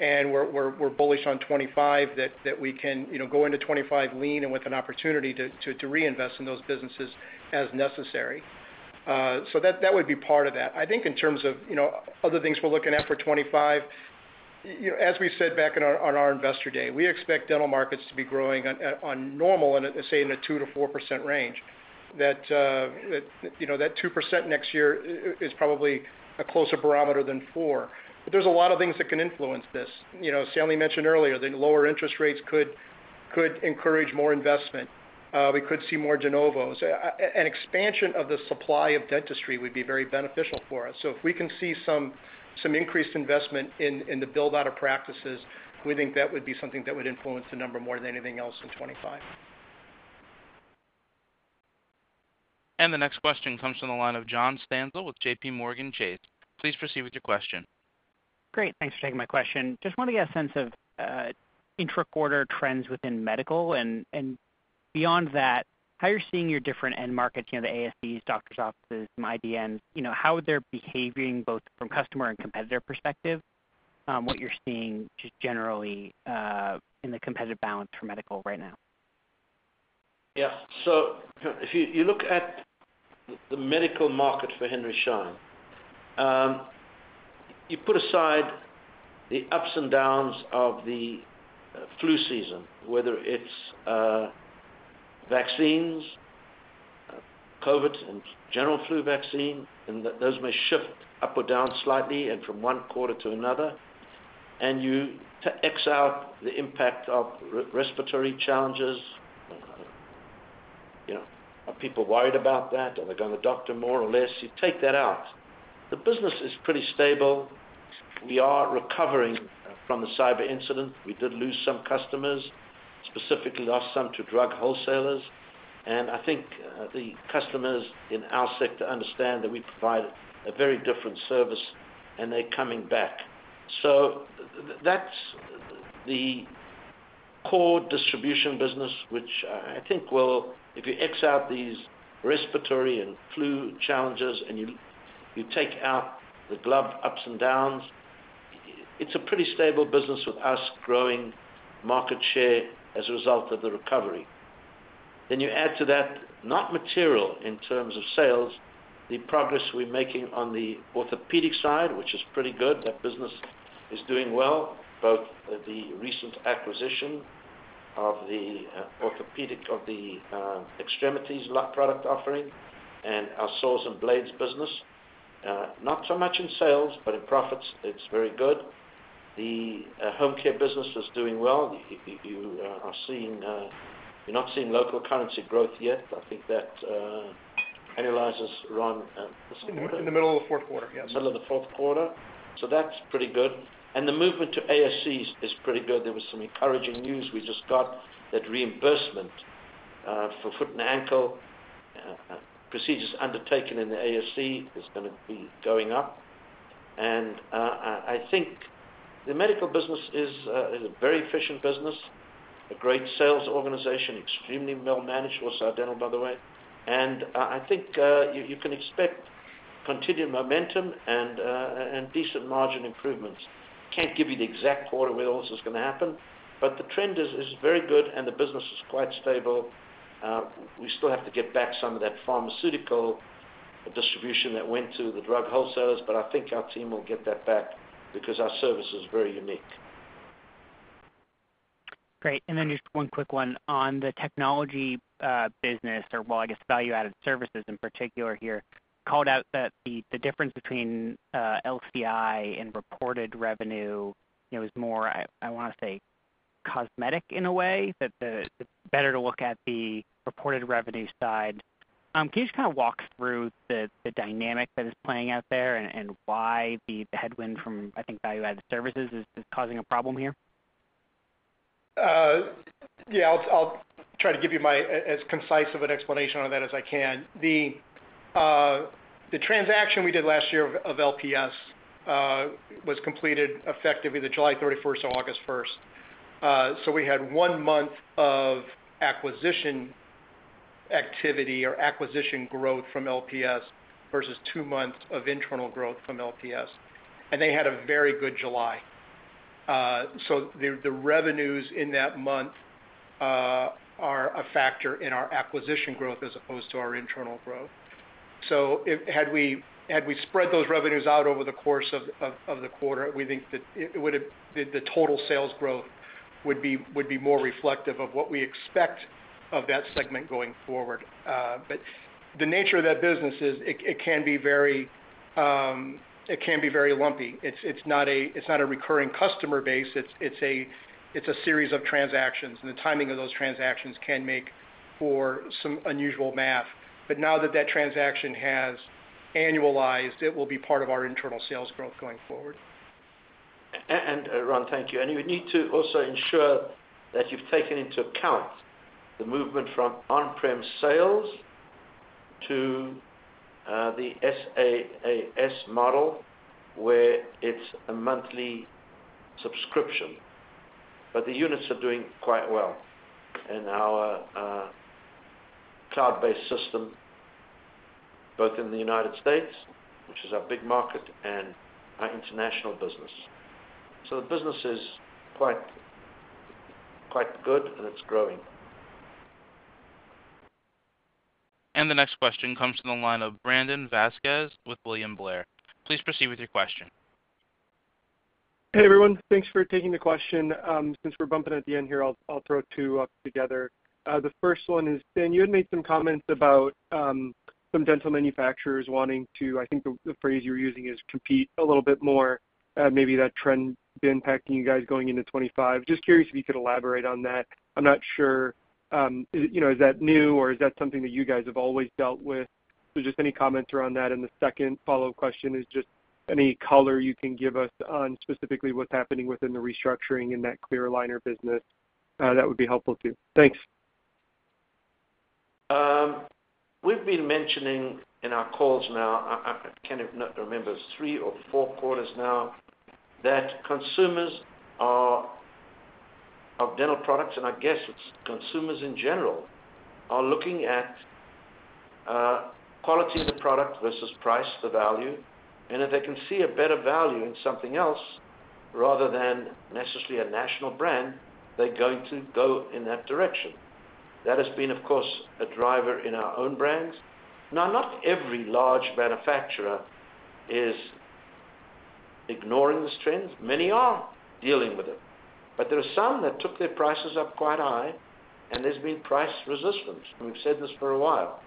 And we're bullish on 2025, that we can go into 2025 lean and with an opportunity to reinvest in those businesses as necessary. So that would be part of that. I think in terms of other things we're looking at for 2025, as we said back on our investor day, we expect dental markets to be growing on normal, say, in a 2%-4% range. That 2% next year is probably a closer barometer than 4%. But there's a lot of things that can influence this. Stanley mentioned earlier, the lower interest rates could encourage more investment. We could see more Genovos. An expansion of the supply of dentistry would be very beneficial for us. So if we can see some increased investment in the build-out of practices, we think that would be something that would influence the number more than anything else in 2025. The next question comes from the line of John Stansel with JPMorgan Chase. Please proceed with your question. Great. Thanks for taking my question. Just wanted to get a sense of intra-quarter trends within medical. And beyond that, how you're seeing your different end markets, the ASCs, doctor's offices, some IDNs, how they're behaving both from customer and competitor perspective, what you're seeing just generally in the competitive balance for medical right now? Yeah. So if you look at the medical market for Henry Schein, you put aside the ups and downs of the flu season, whether it's vaccines, COVID, and general flu vaccine, and those may shift up or down slightly and from one quarter to another, and you X out the impact of respiratory challenges. Are people worried about that? Are they going to the doctor more or less? You take that out. The business is pretty stable. We are recovering from the cyber incident. We did lose some customers, specifically lost some to drug wholesalers, and I think the customers in our sector understand that we provide a very different service, and they're coming back. So that's the core distribution business, which I think will, if you X out these respiratory and flu challenges and you take out the glove ups and downs, it's a pretty stable business with us growing market share as a result of the recovery. Then you add to that, not material in terms of sales, the progress we're making on the orthopedic side, which is pretty good. That business is doing well, both the recent acquisition of the orthopedic of the extremities product offering and our saws and blades business. Not so much in sales, but in profits, it's very good. The home care business is doing well. You're not seeing local currency growth yet. I think that analyzes, Ron. In the middle of the fourth quarter, yes. Middle of the fourth quarter, so that's pretty good, and the movement to ASCs is pretty good. There was some encouraging news we just got that reimbursement for foot and ankle procedures undertaken in the ASC is going to be going up. And I think the medical business is a very efficient business, a great sales organization, extremely well managed, also our dental, by the way, and I think you can expect continued momentum and decent margin improvements. Can't give you the exact quarter where all this is going to happen, but the trend is very good and the business is quite stable. We still have to get back some of that pharmaceutical distribution that went to the drug wholesalers, but I think our team will get that back because our service is very unique. Great, and then just one quick one on the technology business, or well, I guess value-added services in particular here. Called out that the difference between LCI and reported revenue is more, I want to say, cosmetic in a way, that it's better to look at the reported revenue side. Can you just kind of walk through the dynamic that is playing out there and why the headwind from, I think, value-added services is causing a problem here? Yeah. I'll try to give you as concise of an explanation on that as I can. The transaction we did last year of LPS was completed effectively the July 31st or August 1st. So we had one month of acquisition activity or acquisition growth from LPS versus two months of internal growth from LPS. And they had a very good July. So the revenues in that month are a factor in our acquisition growth as opposed to our internal growth. So had we spread those revenues out over the course of the quarter, we think that the total sales growth would be more reflective of what we expect of that segment going forward. But the nature of that business is it can be very lumpy. It's not a recurring customer base. It's a series of transactions. And the timing of those transactions can make for some unusual math. But now that transaction has annualized, it will be part of our internal sales growth going forward. Ron, thank you. You need to also ensure that you've taken into account the movement from on-prem sales to the SaaS model where it's a monthly subscription. The units are doing quite well in our cloud-based system, both in the United States, which is our big market, and our international business. The business is quite good and it's growing. And the next question comes from the line of Brandon Vazquez with William Blair. Please proceed with your question. Hey, everyone. Thanks for taking the question. Since we're bumping at the end here, I'll throw two up together. The first one is, can, you had made some comments about some dental manufacturers wanting to, I think the phrase you were using is compete a little bit more. Maybe that trend has been impacting you guys going into 2025. Just curious if you could elaborate on that. I'm not sure. Is that new or is that something that you guys have always dealt with? So just any comments around that. And the second follow-up question is just any color you can give us on specifically what's happening within the restructuring in that clear aligner business. That would be helpful too. Thanks. We've been mentioning in our calls now, I can't even remember, three or four quarters now, that consumers of dental products, and I guess consumers in general, are looking at quality of the product versus price, the value, and if they can see a better value in something else rather than necessarily a national brand, they're going to go in that direction. That has been, of course, a driver in our own brands. Now, not every large manufacturer is ignoring this trend. Many are dealing with it, but there are some that took their prices up quite high, and there's been price resistance. We've said this for a while,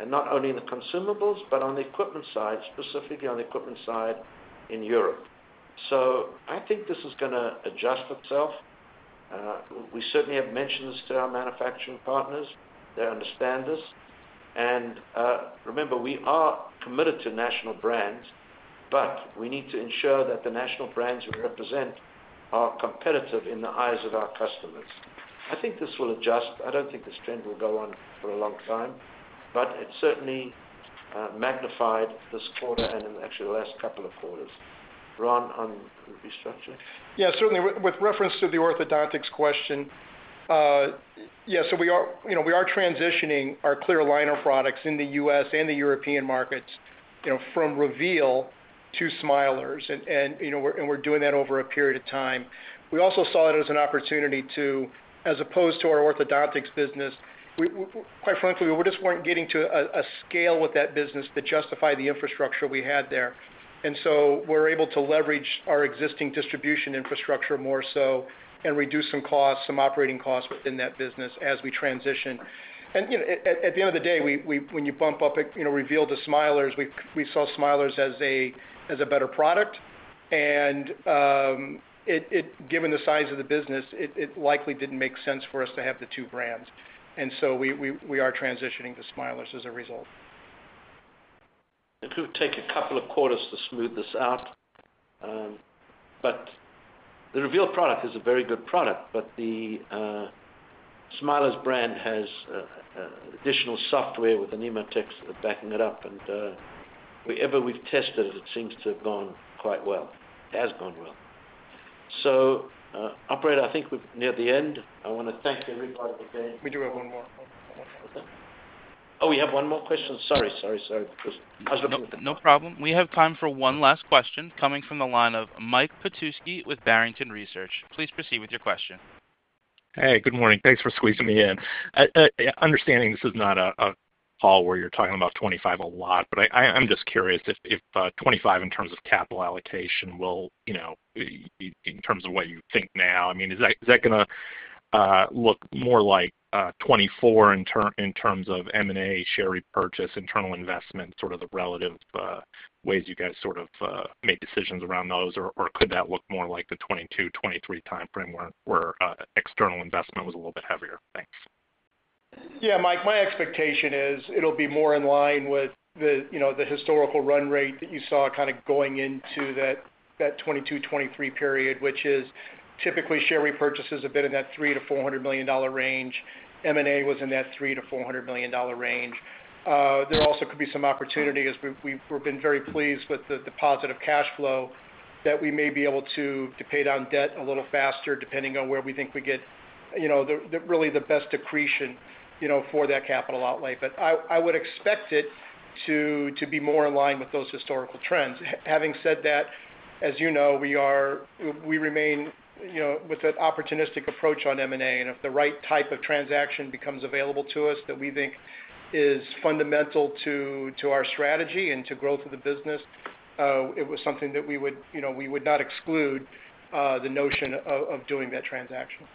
and not only in the consumables, but on the equipment side, specifically on the equipment side in Europe, so I think this is going to adjust itself. We certainly have mentioned this to our manufacturing partners. They understand us. And remember, we are committed to national brands, but we need to ensure that the national brands we represent are competitive in the eyes of our customers. I think this will adjust. I don't think this trend will go on for a long time, but it certainly magnified this quarter and actually the last couple of quarters. Ron, on restructuring? Yeah, certainly. With reference to the orthodontics question, yeah, so we are transitioning our clear aligner products in the U.S. and the European markets from Reveal to Smilers. And we're doing that over a period of time. We also saw it as an opportunity to, as opposed to our orthodontics business, quite frankly, we just weren't getting to a scale with that business to justify the infrastructure we had there. And so we're able to leverage our existing distribution infrastructure more so and reduce some costs, some operating costs within that business as we transition. And at the end of the day, when you bump up Reveal to Smilers, we saw Smilers as a better product. And given the size of the business, it likely didn't make sense for us to have the two brands. And so we are transitioning to Smilers as a result. It will take a couple of quarters to smooth this out. But the Reveal product is a very good product, but the Smilers brand has additional software with Nemotec backing it up. And wherever we've tested it, it seems to have gone quite well. It has gone well. So, operator, I think we're near the end. I want to thank everybody again. We do have one more. Oh, we have one more question? Sorry, sorry, sorry. I was looking for. No problem. We have time for one last question coming from the line of Mike Petusky with Barrington Research. Please proceed with your question. Hey, good morning. Thanks for squeezing me in. I understand this is not a call where you're talking about 2025 a lot, but I'm just curious if 2025 in terms of capital allocation will, in terms of what you think now, I mean, is that going to look more like 2024 in terms of M&A, share repurchase, internal investment, sort of the relative ways you guys sort of made decisions around those? Or could that look more like the 2022, 2023 timeframe where external investment was a little bit heavier? Thanks. Yeah, Mike, my expectation is it'll be more in line with the historical run rate that you saw kind of going into that 2022, 2023 period, which is typically share repurchases have been in that $300 million million-$400 million range. M&A was in that $300 million-$400 million range. There also could be some opportunity as we've been very pleased with the positive cash flow that we may be able to pay down debt a little faster depending on where we think we get really the best accretion for that capital outlay. But I would expect it to be more in line with those historical trends. Having said that, as you know, we remain with an opportunistic approach on M&A. If the right type of transaction becomes available to us that we think is fundamental to our strategy and to growth of the business, it was something that we would not exclude the notion of doing that transaction. Okay,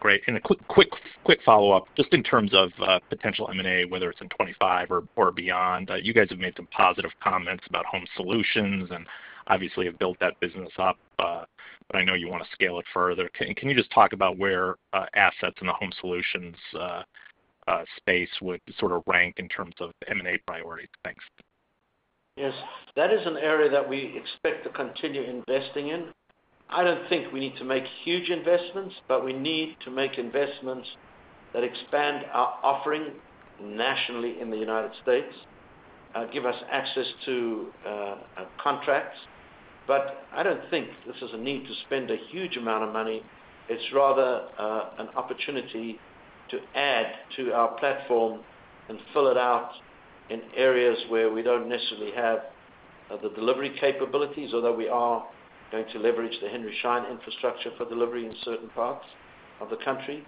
great. And a quick follow-up, just in terms of potential M&A, whether it's in 2025 or beyond, you guys have made some positive comments about Home Solutions and obviously have built that business up, but I know you want to scale it further. Can you just talk about where assets in the Home Solutions space would sort of rank in terms of M&A priority? Thanks. Yes. That is an area that we expect to continue investing in. I don't think we need to make huge investments, but we need to make investments that expand our offering nationally in the United States, give us access to contracts. But I don't think this is a need to spend a huge amount of money. It's rather an opportunity to add to our platform and fill it out in areas where we don't necessarily have the delivery capabilities, although we are going to leverage the Henry Schein infrastructure for delivery in certain parts of the country,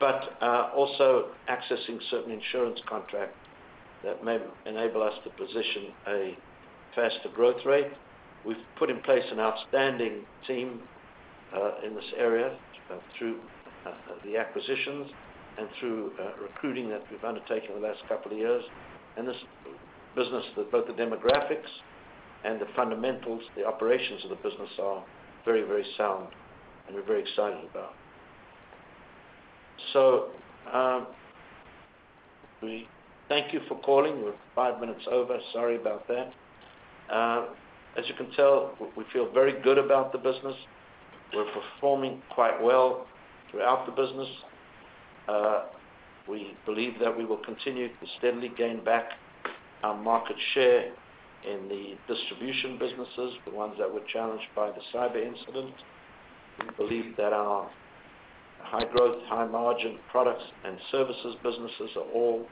but also accessing certain insurance contracts that may enable us to position a faster growth rate. We've put in place an outstanding team in this area through the acquisitions and through recruiting that we've undertaken the last couple of years. This business, both the demographics and the fundamentals, the operations of the business are very, very sound and we're very excited about. So we thank you for calling. We're five minutes over. Sorry about that. As you can tell, we feel very good about the business. We're performing quite well throughout the business. We believe that we will continue to steadily gain back our market share in the distribution businesses, the ones that were challenged by the cyber incident. We believe that our high-growth, high-margin products and services businesses are all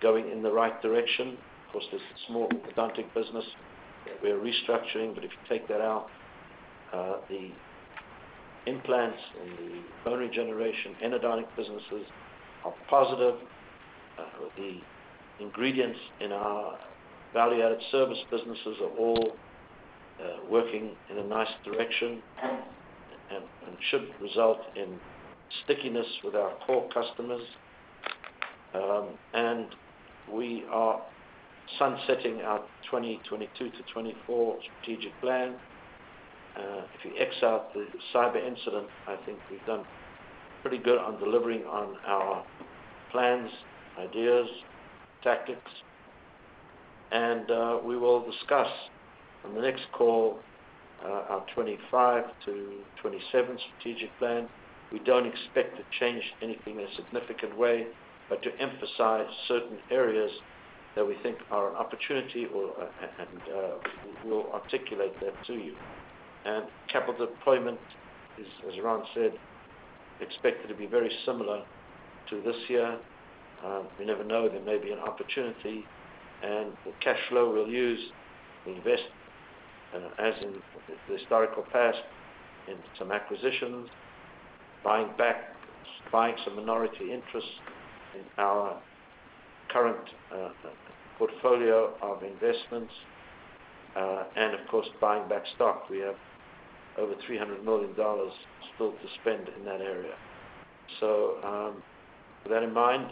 going in the right direction. Of course, there's a small orthodontic business that we're restructuring, but if you take that out, the implants and the bone regeneration endodontic businesses are positive. The ingredients in our value-added service businesses are all working in a nice direction and should result in stickiness with our core customers. And we are sunsetting our 2022 to 2024 strategic plan. If you X out the cyber incident, I think we've done pretty good on delivering on our plans, ideas, tactics. And we will discuss on the next call our 2025 to 2027 strategic plan. We don't expect to change anything in a significant way, but to emphasize certain areas that we think are an opportunity and we'll articulate that to you. And capital deployment, as Ron said, expected to be very similar to this year. We never know. There may be an opportunity. And the cash flow we'll use, we invest as in the historical past in some acquisitions, buying back some minority interests in our current portfolio of investments, and of course, buying back stock. We have over $300 million still to spend in that area. So with that in mind,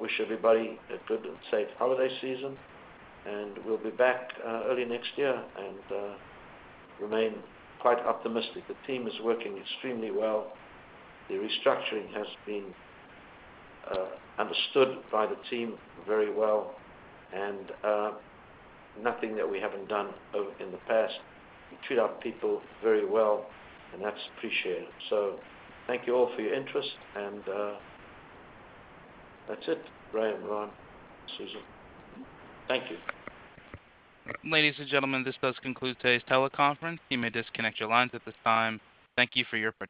wish everybody a good and safe holiday season. We'll be back early next year and remain quite optimistic. The team is working extremely well. The restructuring has been understood by the team very well and nothing that we haven't done in the past. We treat our people very well, and that's appreciated. Thank you all for your interest. That's it. Graham, Ron. Thank you. Ladies and gentlemen, this does conclude today's teleconference. You may disconnect your lines at this time. Thank you for your.